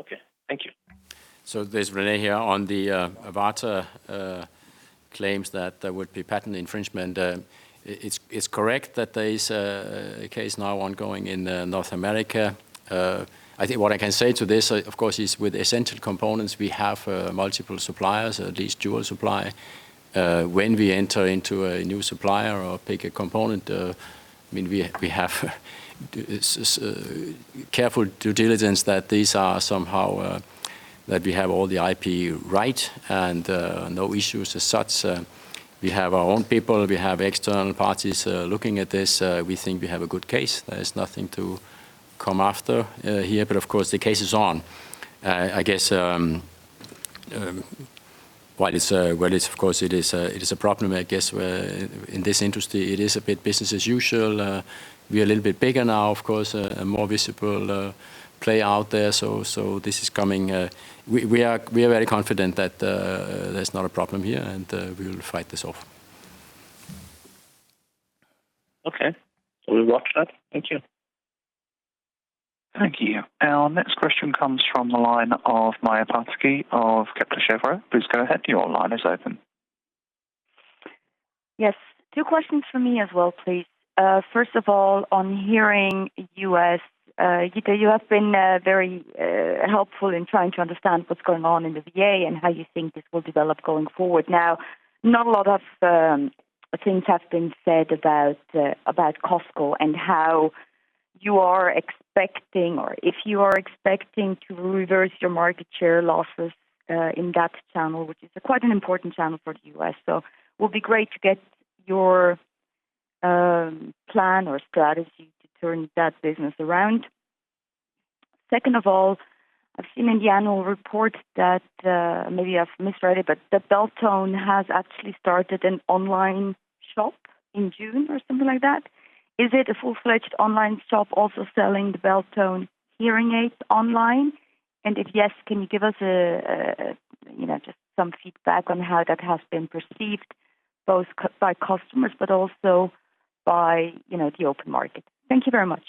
Okay. Thank you. This is René here. On the VARTA claims that there would be patent infringement, it's correct that there is a case now ongoing in North America. I think what I can say to this, of course, is with essential components, we have multiple suppliers, at least dual supply. When we enter into a new supplier or pick a component, we have careful due diligence that we have all the IP right and no issues as such. We have our own people, we have external parties looking at this. We think we have a good case. There is nothing to come after here, but of course the case is on. I guess, while of course it is a problem, I guess in this industry it is a bit business as usual. We are a little bit bigger now, of course, a more visible player out there. We are very confident that there's not a problem here, and we will fight this off. Okay. We'll watch that. Thank you. Thank you. Our next question comes from the line of Maja Pataki of Kepler Cheuvreux. Please go ahead. Your line is open. Yes. Two questions from me as well, please. First of all, on hearing U.S., you have been very helpful in trying to understand what's going on in the VA and how you think this will develop going forward. Now, not a lot of things have been said about Costco and how you are expecting, or if you are expecting to reverse your market share losses, in that channel, which is quite an important channel for the U.S. Would be great to get your plan or strategy to turn that business around. Second of all, I've seen in the annual report that, maybe I've misread it, but that Beltone has actually started an online shop in June or something like that. Is it a full-fledged online shop also selling the Beltone hearing aids online? If yes, can you give us just some feedback on how that has been perceived, both by customers but also by the open market? Thank you very much.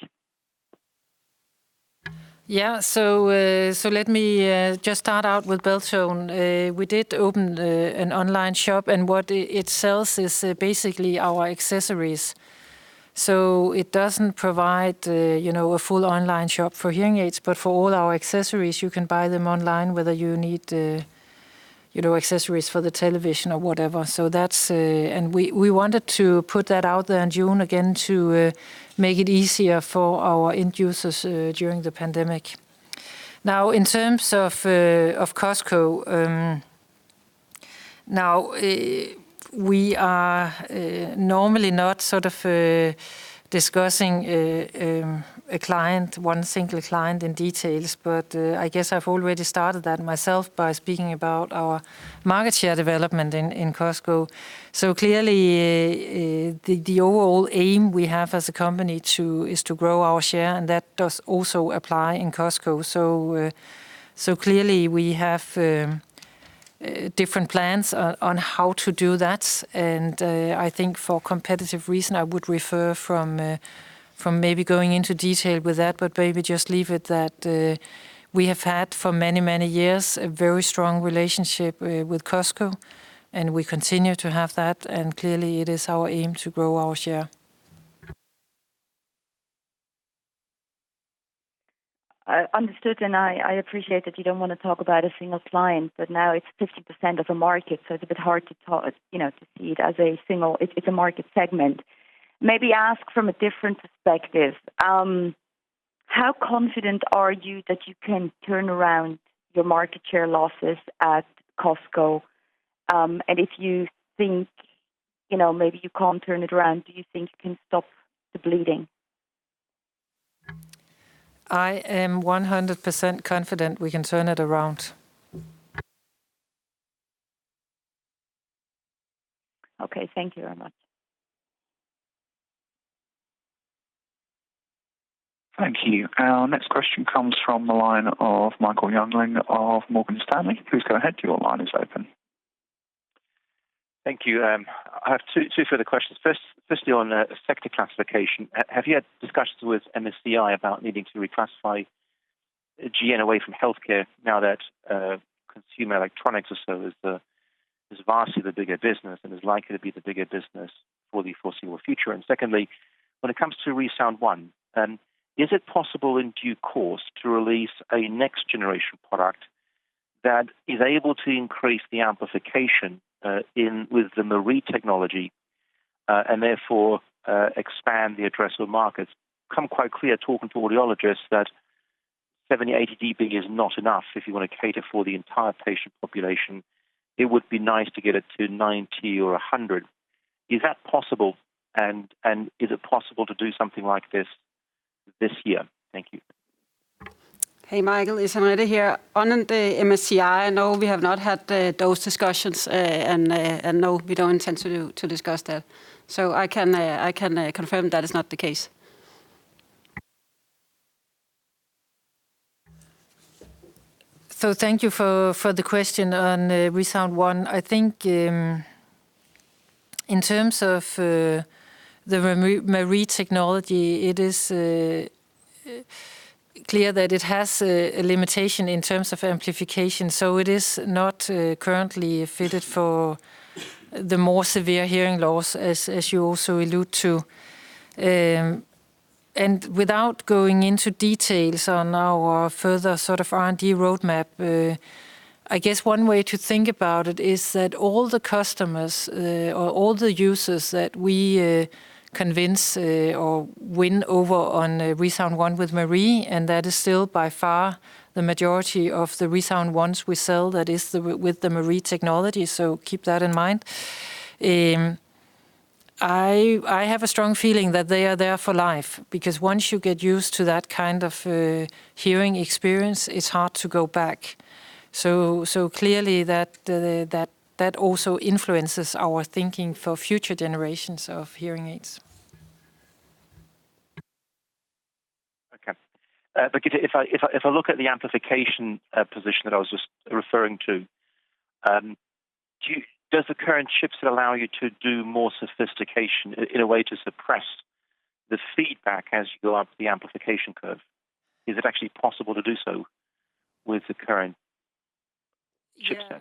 Yeah. Let me just start out with Beltone. We did open an online shop, and what it sells is basically our accessories. It doesn't provide a full online shop for hearing aids, but for all our accessories, you can buy them online, whether you need accessories for the television or whatever. We wanted to put that out there in June, again, to make it easier for our end users during the pandemic. Now, in terms of Costco, we are normally not discussing one single client in details, but I guess I've already started that myself by speaking about our market share development in Costco. Clearly, the overall aim we have as a company is to grow our share, and that does also apply in Costco. Clearly, we have different plans on how to do that, and I think for competitive reason, I would refrain from maybe going into detail with that, but maybe just leave it that we have had for many, many years a very strong relationship with Costco, and we continue to have that, and clearly it is our aim to grow our share. Understood. I appreciate that you don't want to talk about a single client. Now it's 50% of the market, it's a bit hard to see it as a market segment. Maybe ask from a different perspective. How confident are you that you can turn around your market share losses at Costco? If you think maybe you can't turn it around, do you think you can stop the bleeding? I am 100% confident we can turn it around. Okay. Thank you very much. Thank you. Our next question comes from the line of Michael Jüngling of Morgan Stanley. Please go ahead, your line is open. Thank you. I have two further questions. First, on sector classification. Have you had discussions with MSCI about needing to reclassify GN away from healthcare now that consumer electronics or so is vastly the bigger business and is likely to be the bigger business for the foreseeable future? Secondly, when it comes to ReSound ONE, is it possible in due course to release a next generation product that is able to increase the amplification with the M&RIE technology, and therefore expand the addressable markets? Come quite clear talking to audiologists that 70-80 dB is not enough if you want to cater for the entire patient population. It would be nice to get it to 90 or 100. Is that possible? Is it possible to do something like this year? Thank you. Hey, Michael, it's Henriette here. On the MSCI, no, we have not had those discussions. No, we don't intend to discuss that. I can confirm that is not the case. Thank you for the question on ReSound ONE. I think in terms of the M&RIE technology, it is clear that it has a limitation in terms of amplification. It is not currently fitted for the more severe hearing loss, as you also allude to. Without going into details on our further sort of R&D roadmap, I guess one way to think about it is that all the customers, or all the users that we convince or win over on ReSound ONE with M&RIE, and that is still by far the majority of the ReSound ONEs we sell, that is with the M&RIE technology, so keep that in mind. I have a strong feeling that they are there for life, because once you get used to that kind of hearing experience, it is hard to go back. Clearly that also influences our thinking for future generations of hearing aids. Okay. Gitte, if I look at the amplification position that I was just referring to, does the current chips allow you to do more sophistication in a way to suppress the feedback as you go up the amplification curve? Is it actually possible to do so with the current chipset? Yeah.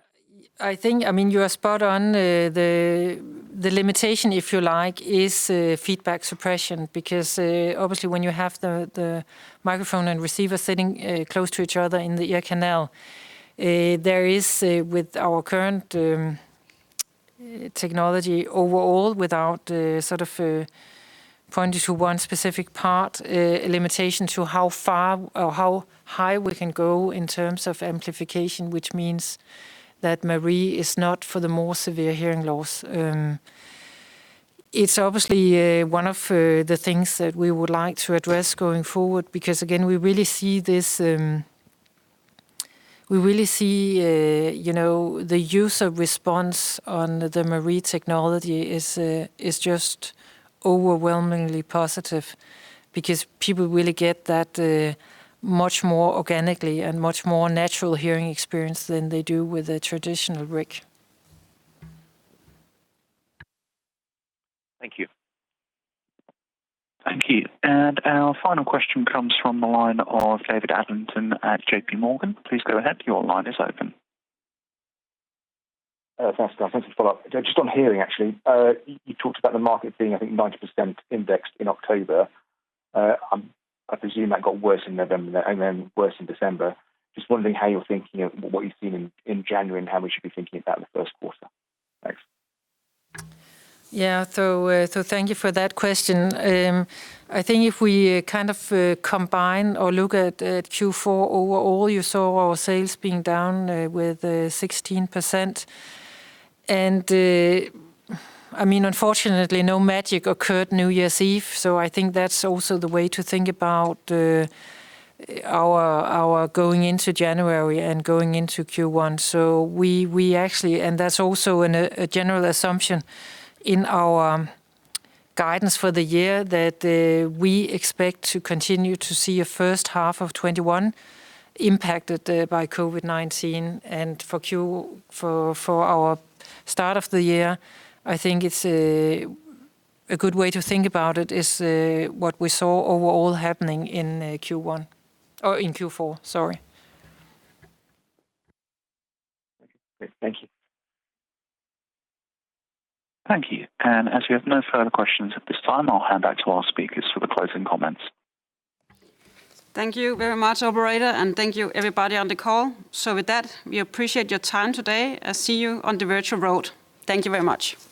I think you are spot on. The limitation, if you like, is feedback suppression. Because obviously when you have the microphone and receiver sitting close to each other in the ear canal, there is, with our current technology overall, without sort of pointing to one specific part, a limitation to how far or how high we can go in terms of amplification, which means that M&RIE is not for the more severe hearing loss. It's obviously one of the things that we would like to address going forward, because again, we really see the user response on the M&RIE technology is just overwhelmingly positive, because people really get that much more organically and much more natural hearing experience than they do with a traditional RIC. Thank you. Thank you. Our final question comes from the line of David Adlington at JPMorgan. Please go ahead. Your line is open. Thanks. I just want to follow up, just on hearing, actually. You talked about the market being, I think, 90% indexed in October. I presume that got worse in November and then worse in December. Just wondering how you're thinking of what you've seen in January and how we should be thinking about the first quarter. Thanks. Thank you for that question. I think if we kind of combine or look at Q4 overall, you saw our sales being down with 16%. Unfortunately, no magic occurred New Year's Eve, so I think that's also the way to think about our going into January and going into Q1. We actually, and that's also a general assumption in our guidance for the year, that we expect to continue to see a first half of 2021 impacted by COVID-19. For our start of the year, I think it's a good way to think about it is what we saw overall happening in Q4. Thank you. Thank you. As we have no further questions at this time, I'll hand back to our speakers for the closing comments. Thank you very much, operator, and thank you everybody on the call. With that, we appreciate your time today and see you on the virtual road. Thank you very much.